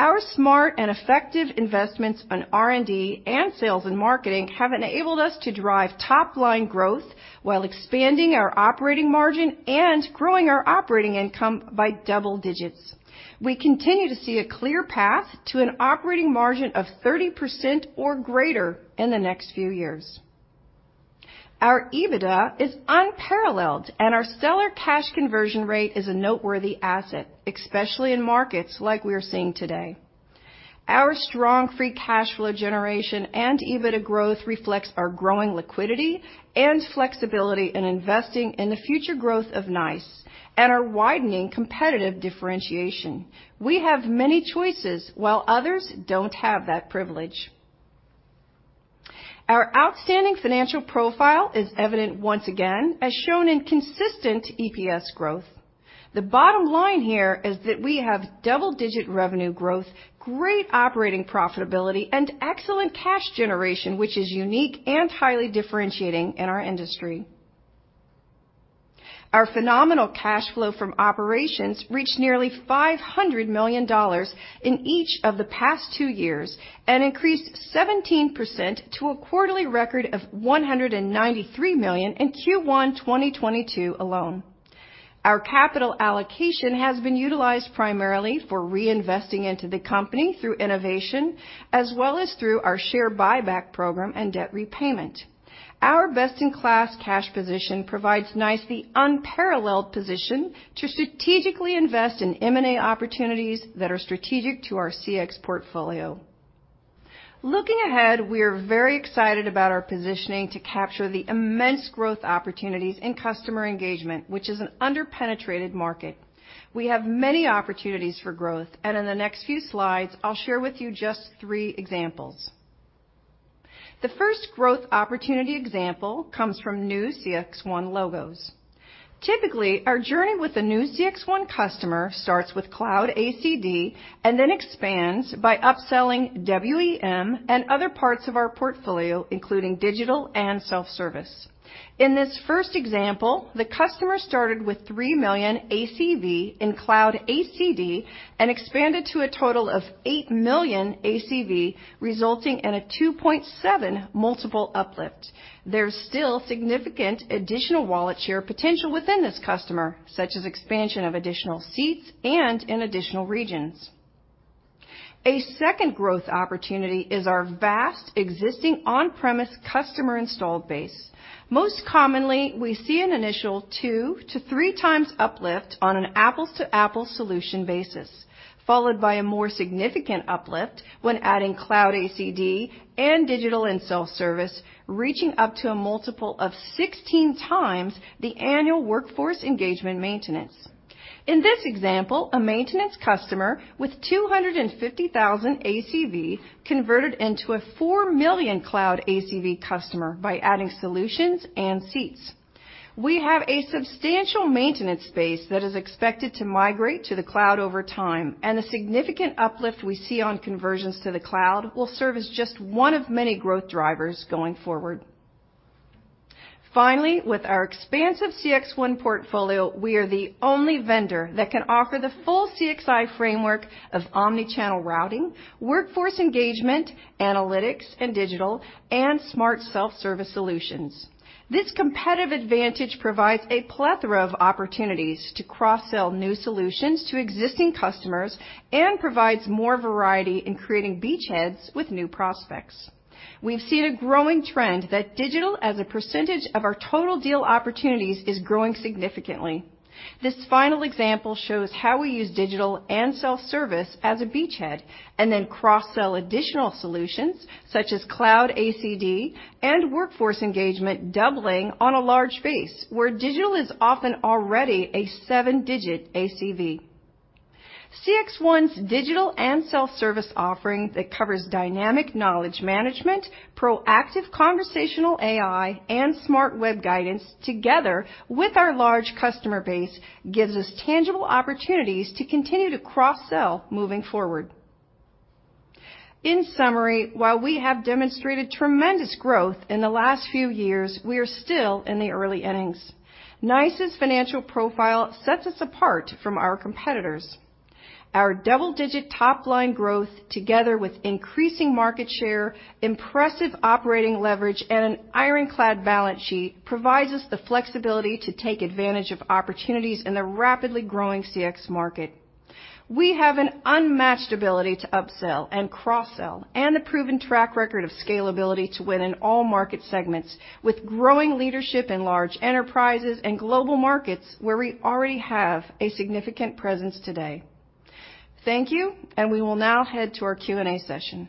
Speaker 4: Our smart and effective investments on R&D and sales and marketing have enabled us to drive top-line growth while expanding our operating margin and growing our operating income by double digits. We continue to see a clear path to an operating margin of 30% or greater in the next few years. Our EBITDA is unparalleled and our stellar cash conversion rate is a noteworthy asset, especially in markets like we are seeing today. Our strong free cash flow generation and EBITDA growth reflects our growing liquidity and flexibility in investing in the future growth of NICE and our widening competitive differentiation. We have many choices while others don't have that privilege. Our outstanding financial profile is evident once again as shown in consistent EPS growth. The bottom line here is that we have double-digit revenue growth, great operating profitability, and excellent cash generation, which is unique and highly differentiating in our industry. Our phenomenal cash flow from operations reached nearly $500 million in each of the past two years and increased 17% to a quarterly record of $193 million in Q1 2022 alone. Our capital allocation has been utilized primarily for reinvesting into the company through innovation, as well as through our share buyback program and debt repayment. Our best-in-class cash position provides NICE the unparalleled position to strategically invest in M&A opportunities that are strategic to our CX portfolio. Looking ahead, we are very excited about our positioning to capture the immense growth opportunities in customer engagement, which is an under-penetrated market. We have many opportunities for growth, and in the next few slides, I'll share with you just three examples. The first growth opportunity example comes from new CXone logos. Typically, our journey with the new CXone customer starts with Cloud ACD and then expands by upselling WEM and other parts of our portfolio, including digital and self-service. In this first example, the customer started with $3 million ACV in Cloud ACD and expanded to a total of $8 million ACV, resulting in a 2.7x multiple uplift. There's still significant additional wallet share potential within this customer, such as expansion of additional seats and in additional regions. A second growth opportunity is our vast existing on-premise customer installed base. Most commonly, we see an initial 2-3x uplift on an apples-to-apples solution basis, followed by a more significant uplift when adding cloud ACD and digital and self-service, reaching up to a multiple of 16x the annual Workforce Engagement Maintenance. In this example, a maintenance customer with $250,000 ACV converted into a $4 million cloud ACV customer by adding solutions and seats. We have a substantial maintenance base that is expected to migrate to the cloud over time, and the significant uplift we see on conversions to the cloud will serve as just one of many growth drivers going forward. Finally, with our expansive CXone portfolio, we are the only vendor that can offer the full CXI framework of omni-channel routing, Workforce Engagement, analytics, and digital and smart self-service solutions. This competitive advantage provides a plethora of opportunities to cross-sell new solutions to existing customers and provides more variety in creating beachheads with new prospects. We've seen a growing trend that digital as a percentage of our total deal opportunities is growing significantly. This final example shows how we use digital and self-service as a beachhead and then cross-sell additional solutions such as cloud ACD and workforce engagement, doubling on a large base where digital is often already a seven-digit ACV. CXone's digital and self-service offering that covers dynamic knowledge management, proactive conversational AI, and smart web guidance together with our large customer base gives us tangible opportunities to continue to cross-sell moving forward. In summary, while we have demonstrated tremendous growth in the last few years, we are still in the early innings. NICE's financial profile sets us apart from our competitors. Our double-digit top-line growth, together with increasing market share, impressive operating leverage, and an ironclad balance sheet, provides us the flexibility to take advantage of opportunities in the rapidly growing CX market. We have an unmatched ability to upsell and cross-sell and a proven track record of scalability to win in all market segments with growing leadership in large enterprises and global markets where we already have a significant presence today. Thank you, and we will now head to our Q&A session.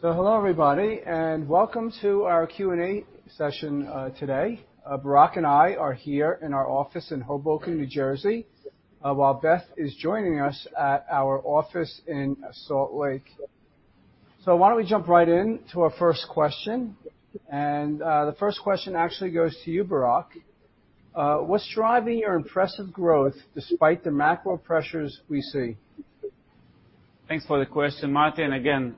Speaker 5: Hello, everybody, and welcome to our Q&A session today. Barak and I are here in our office in Hoboken, New Jersey, while Beth is joining us at our office in Salt Lake. Why don't we jump right in to our first question. The first question actually goes to you, Barak. What's driving your impressive growth despite the macro pressures we see?
Speaker 2: Thanks for the question, Marty. Again,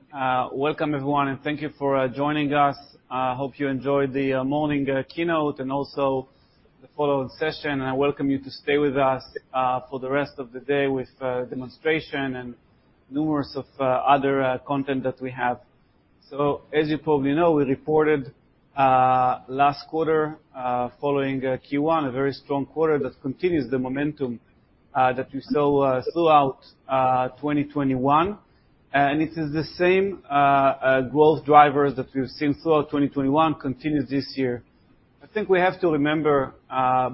Speaker 2: welcome everyone, and thank you for joining us. I hope you enjoyed the morning keynote and also the follow-on session. I welcome you to stay with us for the rest of the day with demonstration and numerous other content that we have. As you probably know, we reported last quarter, following Q1, a very strong quarter that continues the momentum that we saw throughout 2021. It is the same growth drivers that we've seen throughout 2021 continue this year. I think we have to remember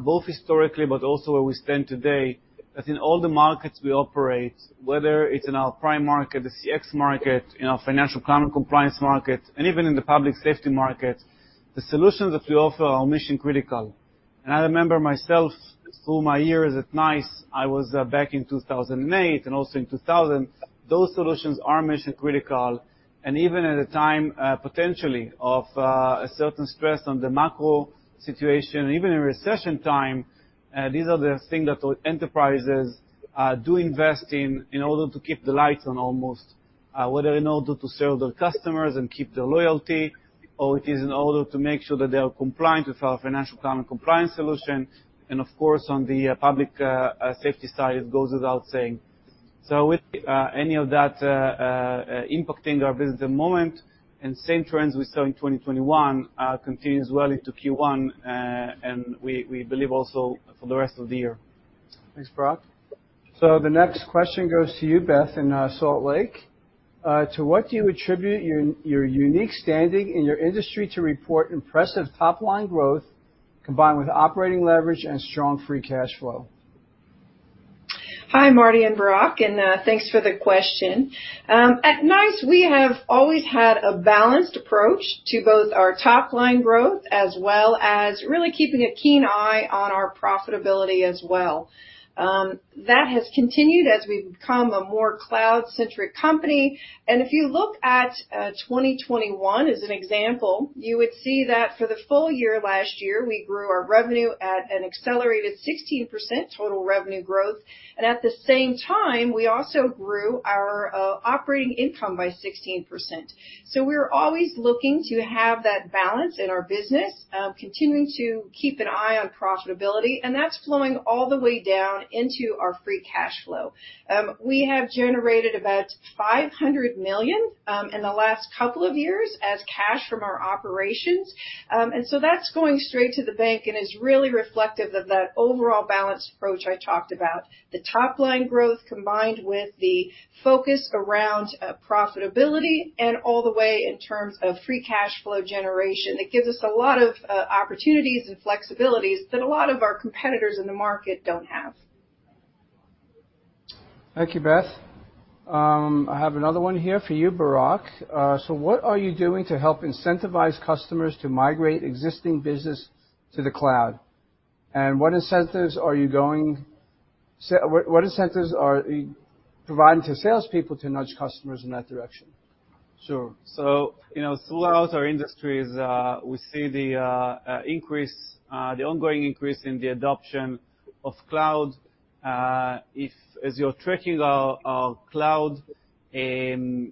Speaker 2: both historically, but also where we stand today, that in all the markets we operate, whether it's in our prime market, the CX market, in our financial crime and compliance market, and even in the public safety market, the solutions that we offer are mission-critical. I remember myself through my years at NICE, I was back in 2008 and also in 2000, those solutions are mission-critical, and even at a time potentially of a certain stress on the macro situation, even in recession time, these are the things that our enterprises do invest in order to keep the lights on almost, whether in order to serve their customers and keep their loyalty, or it is in order to make sure that they are compliant with our financial crime and compliance solution. Of course, on the public safety side, it goes without saying. Without any of that impacting our business at the moment and same trends we saw in 2021 continue as well into Q1 and we believe also for the rest of the year.
Speaker 5: Thanks, Barak. The next question goes to you, Beth, in Salt Lake. To what do you attribute your unique standing in your industry to report impressive top-line growth combined with operating leverage and strong free cash flow?
Speaker 4: Hi, Marty and Barak, thanks for the question. At NICE, we have always had a balanced approach to both our top-line growth, as well as really keeping a keen eye on our profitability as well. That has continued as we've become a more cloud-centric company. If you look at 2021 as an example, you would see that for the full year last year, we grew our revenue at an accelerated 16% total revenue growth, and at the same time, we also grew our operating income by 16%. We're always looking to have that balance in our business, continuing to keep an eye on profitability, and that's flowing all the way down into our free cash flow. We have generated about $500 million in the last couple of years as cash from our operations. That's going straight to the bank and is really reflective of that overall balanced approach I talked about. The top-line growth combined with the focus around profitability and all the way in terms of free cash flow generation. It gives us a lot of opportunities and flexibilities that a lot of our competitors in the market don't have.
Speaker 5: Thank you, Beth. I have another one here for you, Barak. What are you doing to help incentivize customers to migrate existing business to the cloud? What incentives are you providing to salespeople to nudge customers in that direction?
Speaker 2: Sure. You know, throughout our industries, we see the ongoing increase in the adoption of cloud. If, as you're tracking our cloud and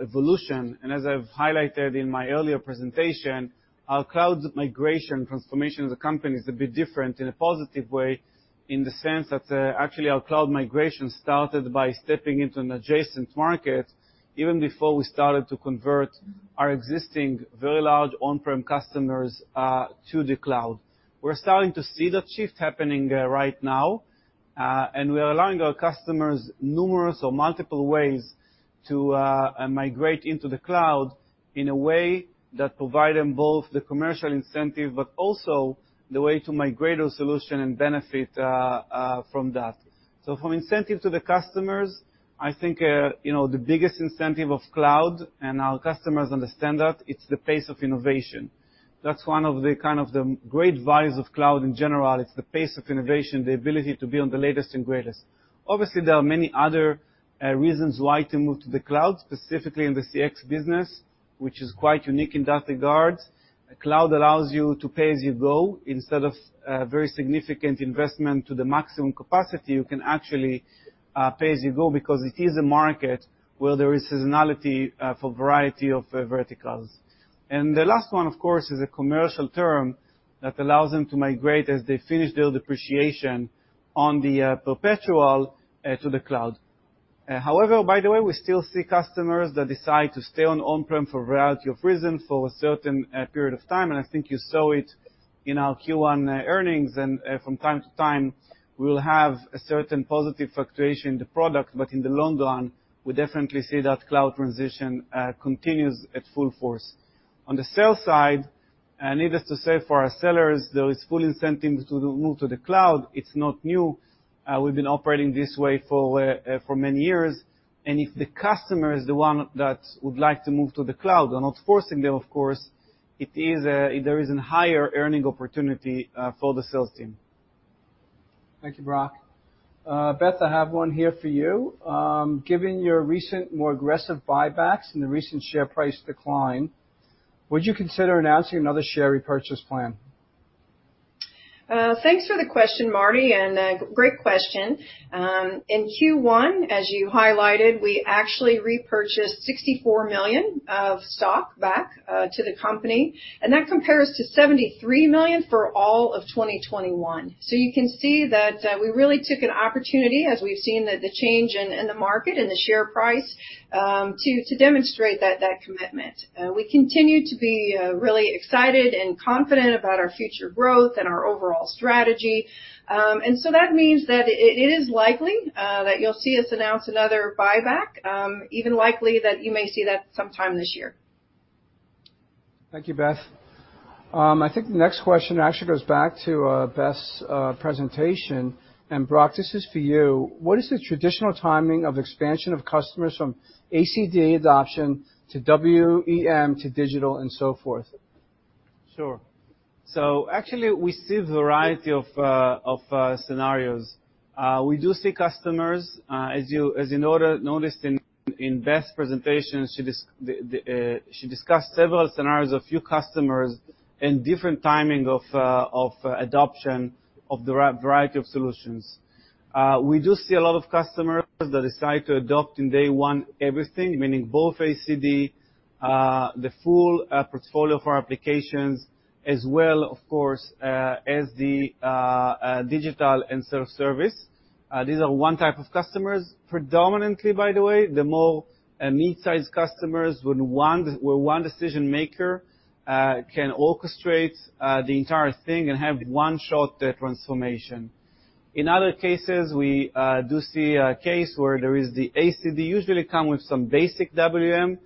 Speaker 2: evolution, and as I've highlighted in my earlier presentation, our cloud migration transformation as a company is a bit different in a positive way in the sense that actually our cloud migration started by stepping into an adjacent market even before we started to convert our existing very large on-prem customers to the cloud. We're starting to see that shift happening right now, and we are allowing our customers numerous or multiple ways to migrate into the cloud in a way that provide them both the commercial incentive, but also the way to migrate our solution and benefit from that. The incentive for the customers, I think, you know, the biggest incentive of cloud and our customers understand that, it's the pace of innovation. That's one of the kind of the great values of cloud in general. It's the pace of innovation, the ability to be on the latest and greatest. Obviously, there are many other reasons why to move to the cloud, specifically in the CX business, which is quite unique in that regard. Cloud allows you to pay as you go instead of very significant investment to the maximum capacity, you can actually pay as you go because it is a market where there is seasonality for variety of verticals. The last one, of course, is a commercial term that allows them to migrate as they finish their depreciation on the perpetual to the cloud. However, by the way, we still see customers that decide to stay on-prem for a variety of reasons for a certain period of time. I think you saw it in our Q1 earnings, and from time to time, we'll have a certain positive fluctuation in the product. In the long run, we definitely see that cloud transition continues at full force. On the sales side, needless to say for our sellers, there is full incentives to move to the cloud. It's not new. We've been operating this way for many years. If the customer is the one that would like to move to the cloud, we're not forcing them, of course, there is a higher earning opportunity for the sales team.
Speaker 5: Thank you, Barak. Beth, I have one here for you. Given your recent more aggressive buybacks and the recent share price decline, would you consider announcing another share repurchase plan?
Speaker 4: Thanks for the question, Marty, and great question. In Q1, as you highlighted, we actually repurchased $64 million of stock back to the company and that compares to $73 million for all of 2021. You can see that we really took an opportunity as we've seen the change in the market and the share price to demonstrate that commitment. We continue to be really excited and confident about our future growth and our overall strategy. That means that it is likely that you'll see us announce another buyback, even likely that you may see that sometime this year.
Speaker 5: Thank you, Beth. I think the next question actually goes back to Beth's presentation. Barak, this is for you. What is the traditional timing of expansion of customers from ACD adoption to WEM to digital and so forth?
Speaker 2: Sure. Actually, we see a variety of scenarios. We do see customers, as you noted in Beth's presentation, she discussed several scenarios of few customers and different timing of adoption of variety of solutions. We do see a lot of customers that decide to adopt in day one, everything, meaning both ACD, the full portfolio for our applications, as well, of course, as the digital and self-service. These are one type of customers, predominantly by the way, the more mid-sized customers where one decision maker can orchestrate the entire thing and have one shot transformation. In other cases, we do see a case where there is the ACD usually come with some basic WEM.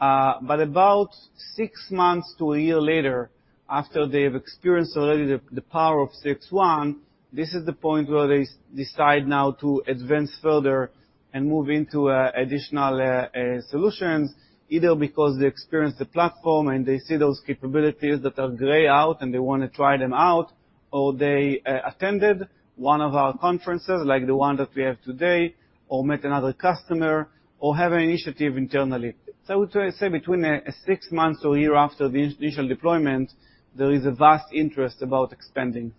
Speaker 2: about six months to a year later, after they have experienced already the power of CXone, this is the point where they decide now to advance further and move into additional solutions, either because they experience the platform and they see those capabilities that are gray out and they wanna try them out, or they attended one of our conferences like the one that we have today, or met another customer, or have an initiative internally. I would say between six months to a year after the initial deployment, there is a vast interest about expanding.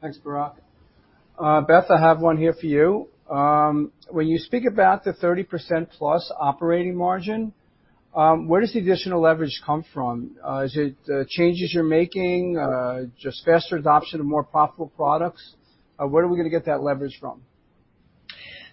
Speaker 5: Thanks, Barak. Beth, I have one here for you. When you speak about the 30%+ operating margin, where does the additional leverage come from? Is it changes you're making, just faster adoption of more profitable products? Where are we gonna get that leverage from?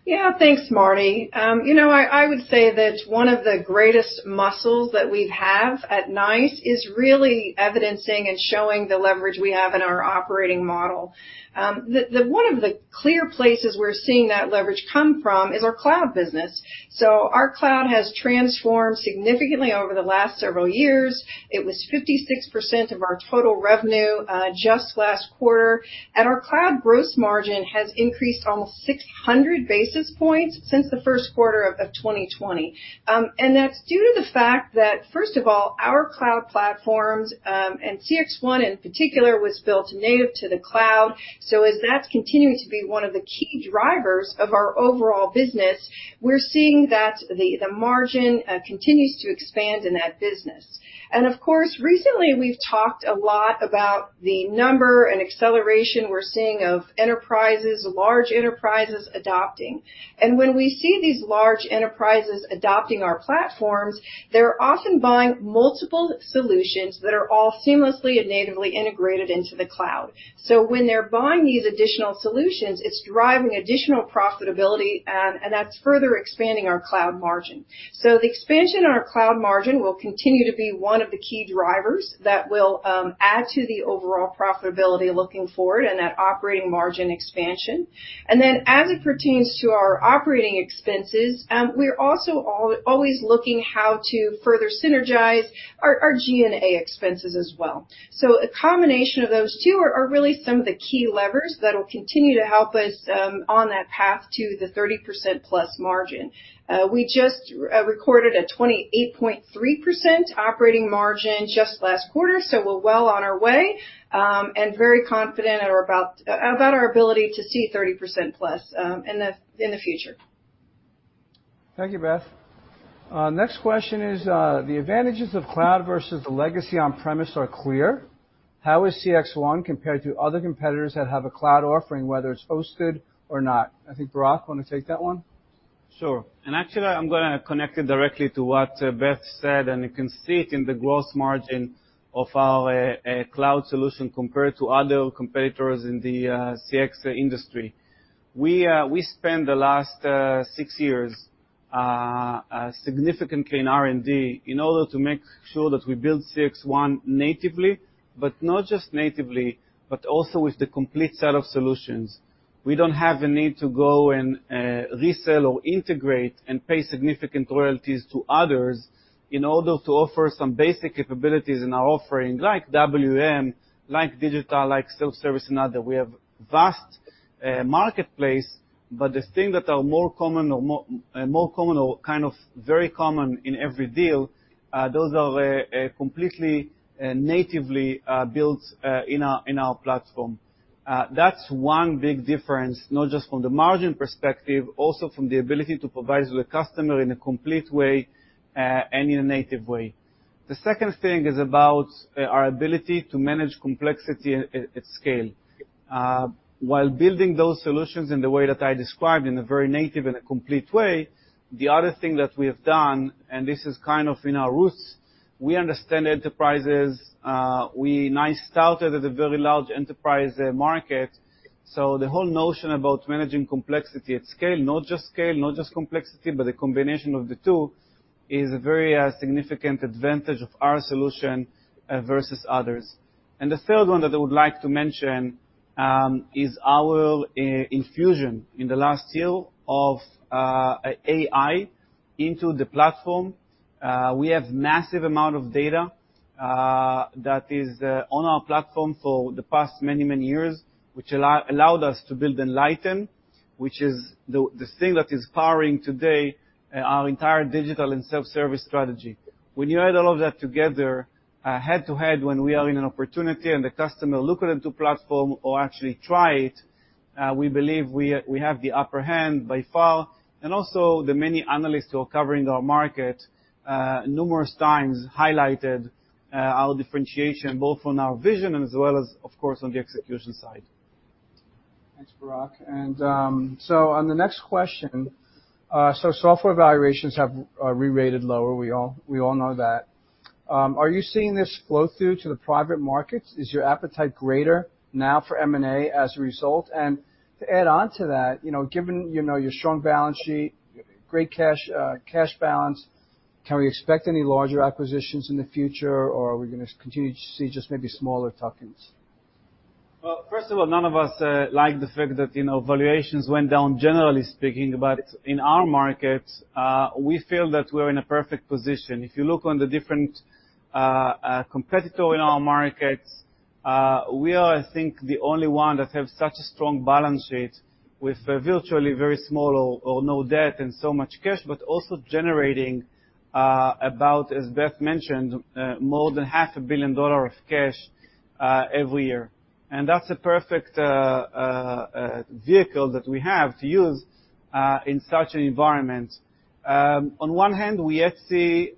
Speaker 4: Yeah. Thanks, Marty. You know, I would say that one of the greatest muscles that we have at NICE is really evidencing and showing the leverage we have in our operating model. The one of the clear places we're seeing that leverage come from is our cloud business. Our cloud has transformed significantly over the last several years. It was 56% of our total revenue just last quarter. Our cloud gross margin has increased almost 600 basis points since the first quarter of 2020. That's due to the fact that first of all, our cloud platforms and CXone in particular was built native to the cloud. As that's continuing to be one of the key drivers of our overall business, we're seeing that the margin continues to expand in that business. Of course, recently we've talked a lot about the number and acceleration we're seeing of enterprises, large enterprises adopting. When we see these large enterprises adopting our platforms, they're often buying multiple solutions that are all seamlessly and natively integrated into the cloud. When they're buying these additional solutions, it's driving additional profitability and that's further expanding our cloud margin. The expansion in our cloud margin will continue to be one of the key drivers that will add to the overall profitability looking forward and that operating margin expansion. Then as it pertains to our operating expenses, we're also always looking how to further synergize our G&A expenses as well. A combination of those two are really some of the key levers that will continue to help us on that path to the 30%+ margin. We just recorded a 28.3% operating margin just last quarter, so we're well on our way and very confident at or about our ability to see 30%+ in the future.
Speaker 5: Thank you, Beth. Next question is, the advantages of cloud versus the legacy on-premise are clear. How is CXone compared to other competitors that have a cloud offering, whether it's hosted or not? I think, Barak, you wanna take that one?
Speaker 2: Sure. Actually, I'm gonna connect it directly to what Beth said, and you can see it in the gross margin of our cloud solution compared to other competitors in the CX industry. We spent the last 6 years significantly in R&D in order to make sure that we build CXone natively, but not just natively, but also with the complete set of solutions. We don't have the need to go and resell or integrate and pay significant royalties to others in order to offer some basic capabilities in our offering like WEM, like digital, like self-service and other. We have vast marketplace, but the things that are more common or kind of very common in every deal, those are completely natively built in our platform. That's one big difference, not just from the margin perspective, also from the ability to provide to the customer in a complete way, and in a native way. The second thing is about our ability to manage complexity at scale. While building those solutions in the way that I described in a very native and a complete way, the other thing that we have done, and this is kind of in our roots, we understand enterprises. NICE started as a very large enterprise market. So the whole notion about managing complexity at scale, not just scale, not just complexity, but the combination of the two is a very significant advantage of our solution versus others. The third one that I would like to mention is our infusion in the last year of AI into the platform. We have massive amount of data that is on our platform for the past many years, which allowed us to build Enlighten, which is this thing that is powering today our entire digital and self-service strategy. When you add all of that together, head-to-head, when we are in an opportunity and the customer look into platform or actually try it, we believe we have the upper hand by far. Also the many analysts who are covering our market numerous times highlighted our differentiation both on our vision and as well as, of course, on the execution side.
Speaker 5: Thanks, Barak. On the next question, software valuations have rerated lower. We all know that. Are you seeing this flow through to the private markets? Is your appetite greater now for M&A as a result? To add on to that, you know, given, you know, your strong balance sheet, great cash balance, can we expect any larger acquisitions in the future, or are we gonna continue to see just maybe smaller tuck-ins?
Speaker 2: Well, first of all, none of us like the fact that, you know, valuations went down, generally speaking, but in our markets, we feel that we're in a perfect position. If you look on the different competitors in our markets, we are, I think, the only one that have such a strong balance sheet with virtually very small or no debt and so much cash, but also generating about, as Beth mentioned, more than half a billion dollars of cash every year. That's a perfect vehicle that we have to use in such an environment. On one hand, we have seen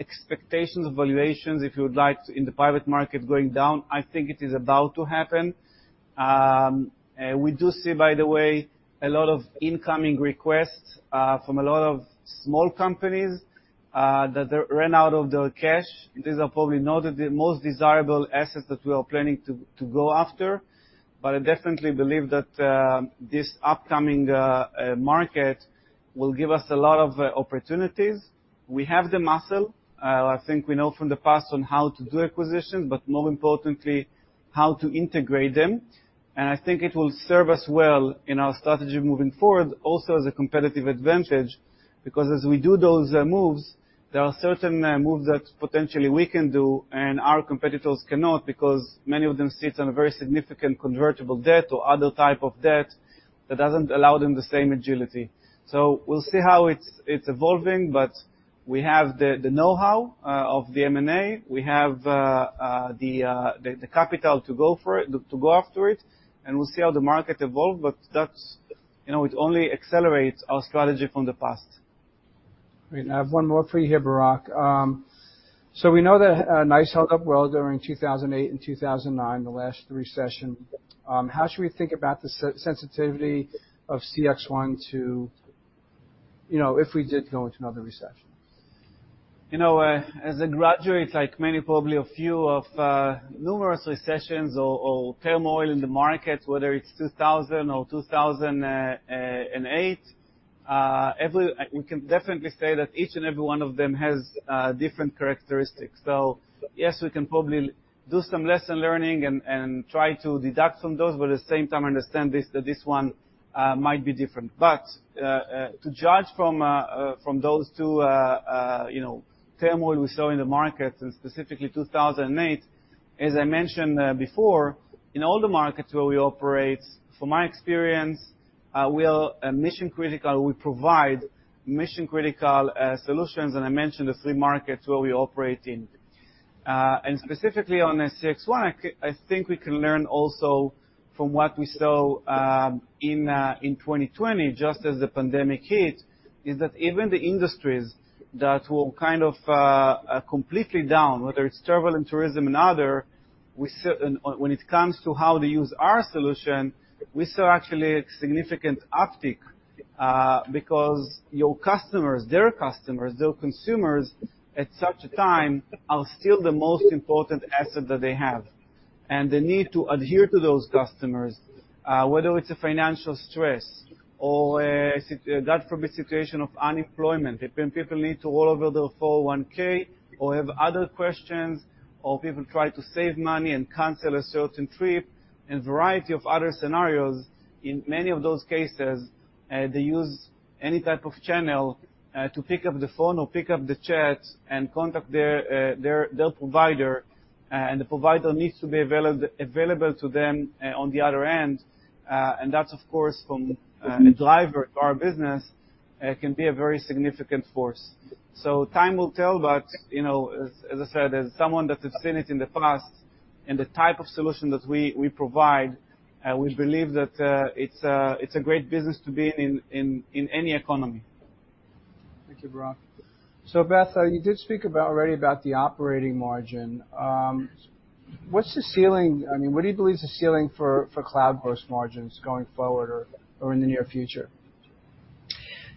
Speaker 2: expectations of valuations, if you would like, in the private market going down. I think it is about to happen. We do see, by the way, a lot of incoming requests from a lot of small companies that they ran out of their cash. These are probably not the most desirable assets that we are planning to go after, but I definitely believe that this upcoming market will give us a lot of opportunities. We have the muscle. I think we know from the past on how to do acquisitions, but more importantly, how to integrate them. I think it will serve us well in our strategy moving forward, also as a competitive advantage, because as we do those moves, there are certain moves that potentially we can do and our competitors cannot because many of them sit on a very significant convertible debt or other type of debt that doesn't allow them the same agility. We'll see how it's evolving, but we have the know-how of the M&A. We have the capital to go after it, and we'll see how the market evolve, but that's, you know, it only accelerates our strategy from the past.
Speaker 5: Great. I have one more for you here, Barak. We know that NICE held up well during 2008 and 2009, the last recession. How should we think about the sensitivity of CXone to, you know, if we did go into another recession?
Speaker 2: You know, as a graduate, like many, probably a few of numerous recessions or turmoil in the market, whether it's 2000 or 2008, we can definitely say that each and every one of them has different characteristics. Yes, we can probably do some lessons learned and try to deduce from those, but at the same time, understand that this one might be different. To judge from those two, you know, turmoil we saw in the market and specifically 2008, as I mentioned before, in all the markets where we operate, from my experience, we provide mission-critical solutions, and I mentioned the three markets where we operate in. Specifically on the CXone, I think we can learn also from what we saw in 2020, just as the pandemic hit, is that even the industries that were kind of completely down, whether it's travel and tourism and other. When it comes to how they use our solution, we saw actually a significant uptick, because your customers, their customers, their consumers at such a time are still the most important asset that they have. The need to attend to those customers, whether it's a financial distress or, God forbid, situation of unemployment, or when people need to roll over their 401(k) or have other questions, or people try to save money and cancel a certain trip and a variety of other scenarios, in many of those cases, they use any type of channel to pick up the phone or pick up the chat and contact their provider, and the provider needs to be available to them on the other end. That's, of course, a driver to our business, can be a very significant force. Time will tell, but, you know, as I said, as someone that has seen it in the past and the type of solution that we provide, we believe that, it's a great business to be in any economy.
Speaker 5: Thank you, Barak. Beth, you did speak about already about the operating margin. What do you believe is the ceiling for cloud gross margins going forward or in the near future?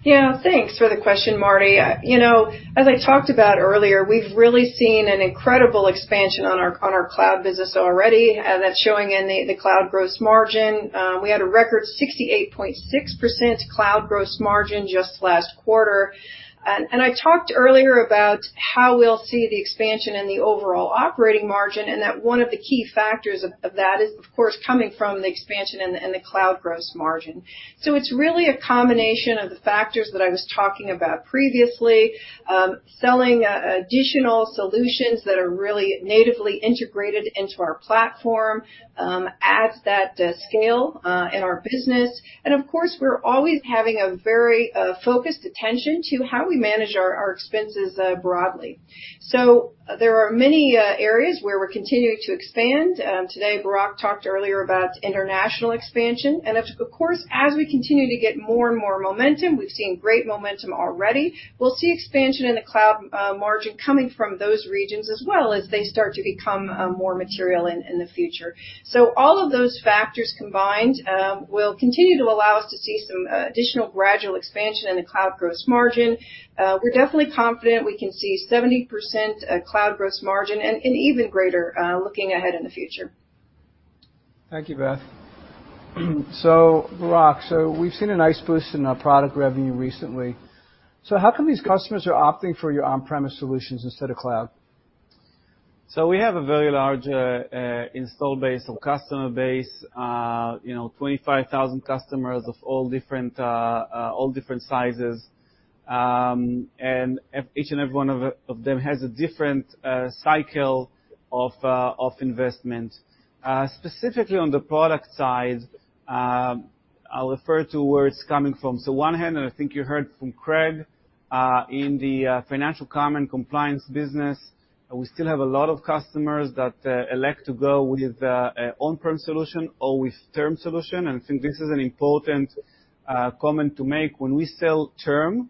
Speaker 4: Yeah. Thanks for the question, Marty. You know, as I talked about earlier, we've really seen an incredible expansion on our cloud business already, and that's showing in the cloud gross margin. We had a record 68.6% cloud gross margin just last quarter. I talked earlier about how we'll see the expansion in the overall operating margin, and that one of the key factors of that is, of course, coming from the expansion in the cloud gross margin. It's really a combination of the factors that I was talking about previously. Selling additional solutions that are really natively integrated into our platform, as that scale in our business. Of course, we're always having a very focused attention to how we manage our expenses broadly. There are many areas where we're continuing to expand. Today, Barak talked earlier about international expansion. Of course, as we continue to get more and more momentum, we've seen great momentum already. We'll see expansion in the cloud margin coming from those regions as well as they start to become more material in the future. All of those factors combined will continue to allow us to see some additional gradual expansion in the cloud gross margin. We're definitely confident we can see 70% cloud gross margin and even greater looking ahead in the future.
Speaker 5: Thank you, Beth. Barak, so we've seen a nice boost in product revenue recently. How come these customers are opting for your on-premise solutions instead of cloud?
Speaker 2: We have a very large install base or customer base, you know, 25,000 customers of all different sizes. Each and every one of them has a different cycle of investment. Specifically on the product side, I'll refer to where it's coming from. On one hand, I think you heard from Craig in the financial crime and compliance business, we still have a lot of customers that elect to go with a on-prem solution or with term solution. I think this is an important comment to make. When we sell term,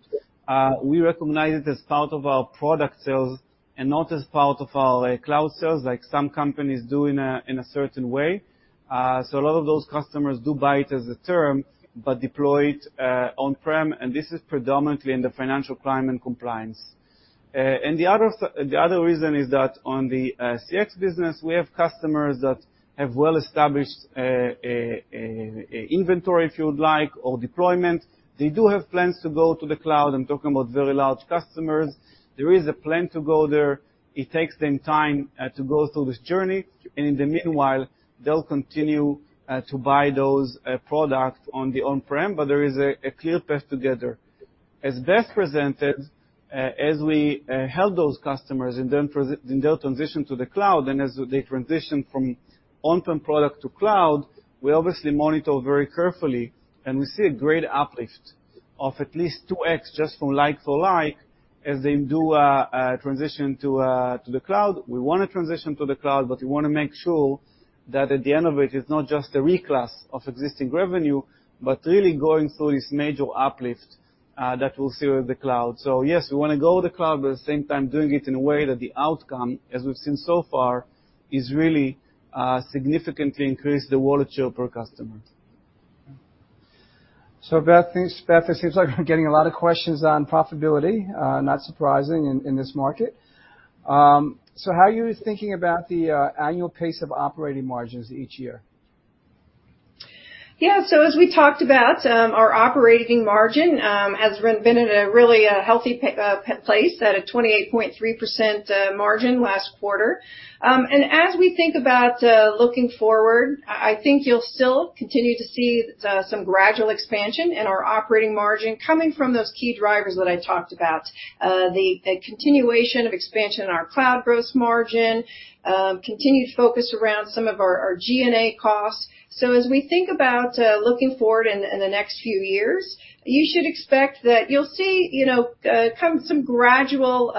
Speaker 2: we recognize it as part of our product sales and not as part of our cloud sales like some companies do in a certain way. A lot of those customers do buy it as a term, but deploy it on-prem, and this is predominantly in the financial crime and compliance. The other reason is that on the CX business, we have customers that have well-established inventory, if you would like, or deployment. They do have plans to go to the cloud. I'm talking about very large customers. There is a plan to go there. It takes them time to go through this journey and in the meanwhile, they'll continue to buy those products on the on-prem, but there is a clear path together. As Beth presented, as we help those customers in their transition to the cloud, and as they transition from on-prem product to cloud, we obviously monitor very carefully, and we see a great uplift of at least 2x just from like to like as they do a transition to the cloud. We wanna transition to the cloud, but we wanna make sure that at the end of it's not just a reclass of existing revenue, but really going through this major uplift that we'll see with the cloud. Yes, we wanna go to the cloud, but at the same time, doing it in a way that the outcome, as we've seen so far, is really significantly increase the wallet share per customer.
Speaker 5: Beth, thanks. Beth, it seems like we're getting a lot of questions on profitability, not surprising in this market. How are you thinking about the annual pace of operating margins each year?
Speaker 4: As we talked about, our operating margin has been at a really healthy place at a 28.3% margin last quarter. As we think about looking forward, I think you'll still continue to see some gradual expansion in our operating margin coming from those key drivers that I talked about. A continuation of expansion in our cloud gross margin, continued focus around some of our G&A costs. As we think about looking forward in the next few years, you should expect that you'll see, you know, some gradual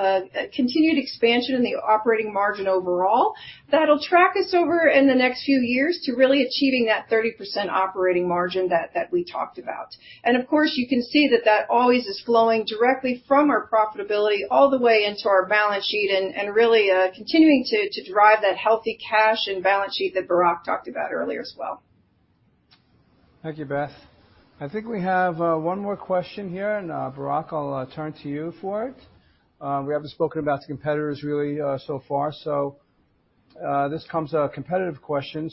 Speaker 4: continued expansion in the operating margin overall. That'll track us over in the next few years to really achieving that 30% operating margin that we talked about. Of course, you can see that that always is flowing directly from our profitability all the way into our balance sheet and really continuing to drive that healthy cash and balance sheet that Barak talked about earlier as well.
Speaker 5: Thank you, Beth. I think we have one more question here, and Barak, I'll turn to you for it. We haven't spoken about the competitors really so far, so this is a competitive question.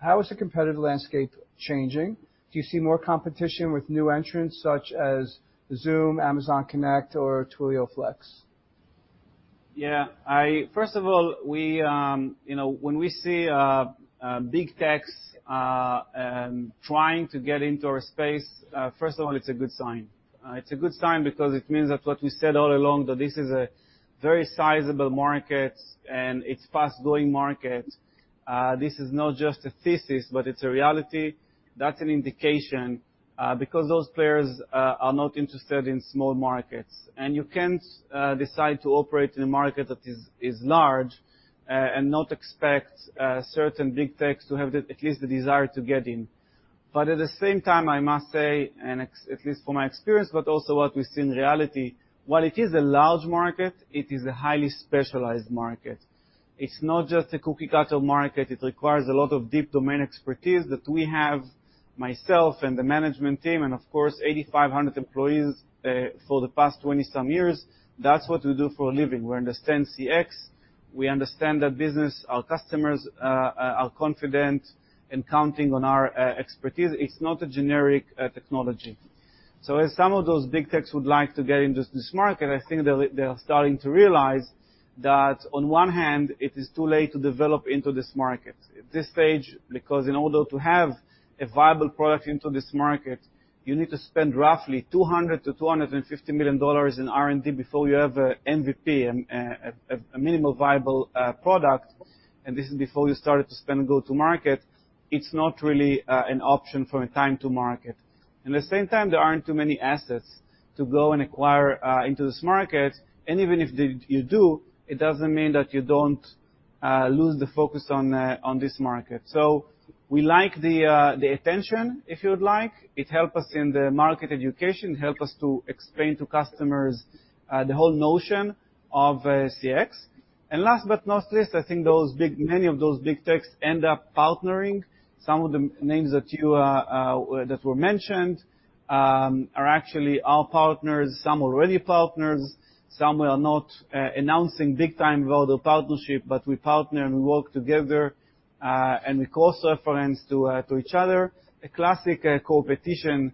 Speaker 5: How is the competitive landscape changing? Do you see more competition with new entrants such as Zoom, Amazon Connect or Twilio Flex?
Speaker 2: Yeah. First of all, we, you know, when we see big techs trying to get into our space, first of all, it's a good sign. It's a good sign because it means that what we said all along, that this is a very sizable market and it's fast-growing market. This is not just a thesis, but it's a reality. That's an indication because those players are not interested in small markets. You can't decide to operate in a market that is large and not expect certain big techs to have at least the desire to get in. At the same time, I must say, at least from my experience, but also what we see in reality, while it is a large market, it is a highly specialized market. It's not just a cookie-cutter market. It requires a lot of deep domain expertise that we have. Myself and the management team and of course 8,500 employees, for the past 20-some years, that's what we do for a living. We understand CX, we understand the business, our customers are confident in counting on our expertise. It's not a generic technology. As some of those big techs would like to get into this market, I think they're starting to realize that on one hand, it is too late to develop into this market. At this stage, because in order to have a viable product into this market, you need to spend roughly $200 million-$250 million in R&D before you have a MVP, a minimal viable product. This is before you started to spend and go to market. It's not really an option from a time to market. At the same time, there aren't too many assets to go and acquire into this market. Even if you do, it doesn't mean that you don't lose the focus on this market. We like the attention, if you'd like. It help us in the market education, help us to explain to customers the whole notion of CX. Last but not least, I think many of those big techs end up partnering. Some of the names that were mentioned are actually our partners. Some already partners, some we are not announcing big time about the partnership, but we partner and we work together, and we cross-reference to each other. A classic co-opetition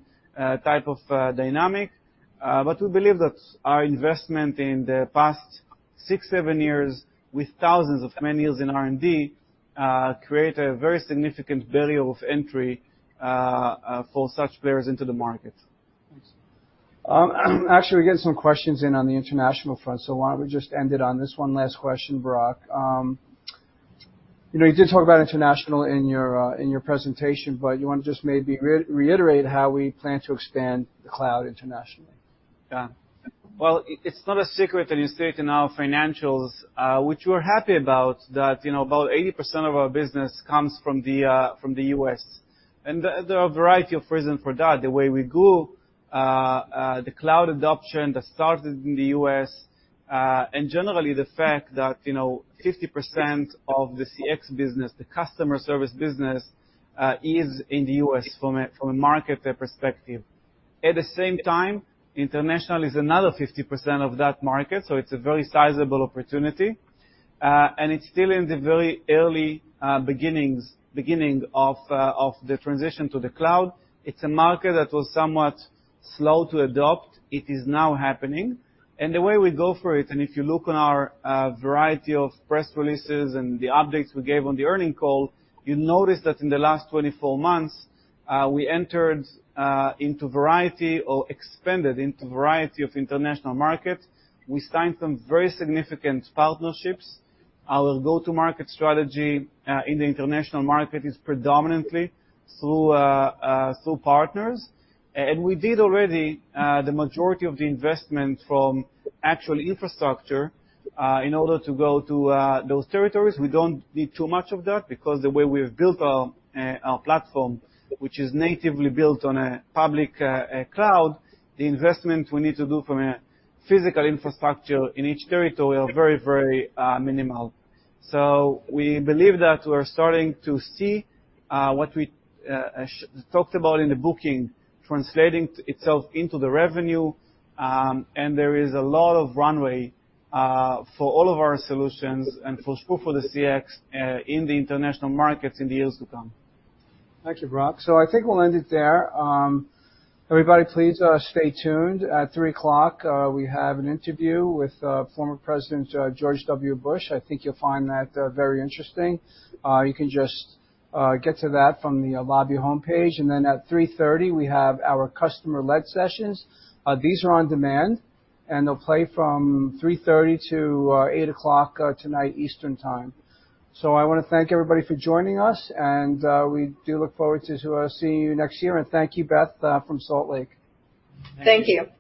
Speaker 2: type of dynamic. We believe that our investment in the past six, seven years with thousands of man years in R&D create a very significant barrier of entry for such players into the market.
Speaker 5: Actually, we're getting some questions in on the international front, so why don't we just end it on this one last question, Barak. You know, you did talk about international in your presentation, but you want to just maybe reiterate how we plan to expand the cloud internationally.
Speaker 2: Yeah. Well, it's not a secret, and you state in our financials, which we're happy about, that, you know, about 80% of our business comes from the U.S. There are a variety of reasons for that. The way we grew, the cloud adoption that started in the U.S., and generally the fact that, you know, 50% of the CX business, the customer service business, is in the U.S. from a market perspective. At the same time, international is another 50% of that market, so it's a very sizable opportunity. It's still in the very early beginnings of the transition to the cloud. It's a market that was somewhat slow to adopt. It is now happening. The way we go for it, and if you look on our variety of press releases and the updates we gave on the earnings call, you notice that in the last 24 months we entered into variety or expanded into variety of international markets. We signed some very significant partnerships. Our go-to-market strategy in the international market is predominantly through partners. We did already the majority of the investment for actual infrastructure in order to go to those territories. We don't need too much of that because the way we have built our platform, which is natively built on a public cloud, the investment we need to do for a physical infrastructure in each territory are very, very minimal. We believe that we're starting to see what we talked about in the booking translating itself into the revenue. There is a lot of runway for all of our solutions and for the CX in the international markets in the years to come.
Speaker 5: Thank you, Barak. I think we'll end it there. Everybody, please stay tuned. At 3:00 P.M., we have an interview with former President George W. Bush. I think you'll find that very interesting. You can just get to that from the lobby homepage. Then at 3:30 P.M., we have our customer-led sessions. These are on demand and they'll play from 3:30 P.M. to 8:00 P.M. tonight Eastern Time. I wanna thank everybody for joining us and we do look forward to seeing you next year. Thank you, Beth, from Salt Lake.
Speaker 2: Thank you.
Speaker 5: Thank you.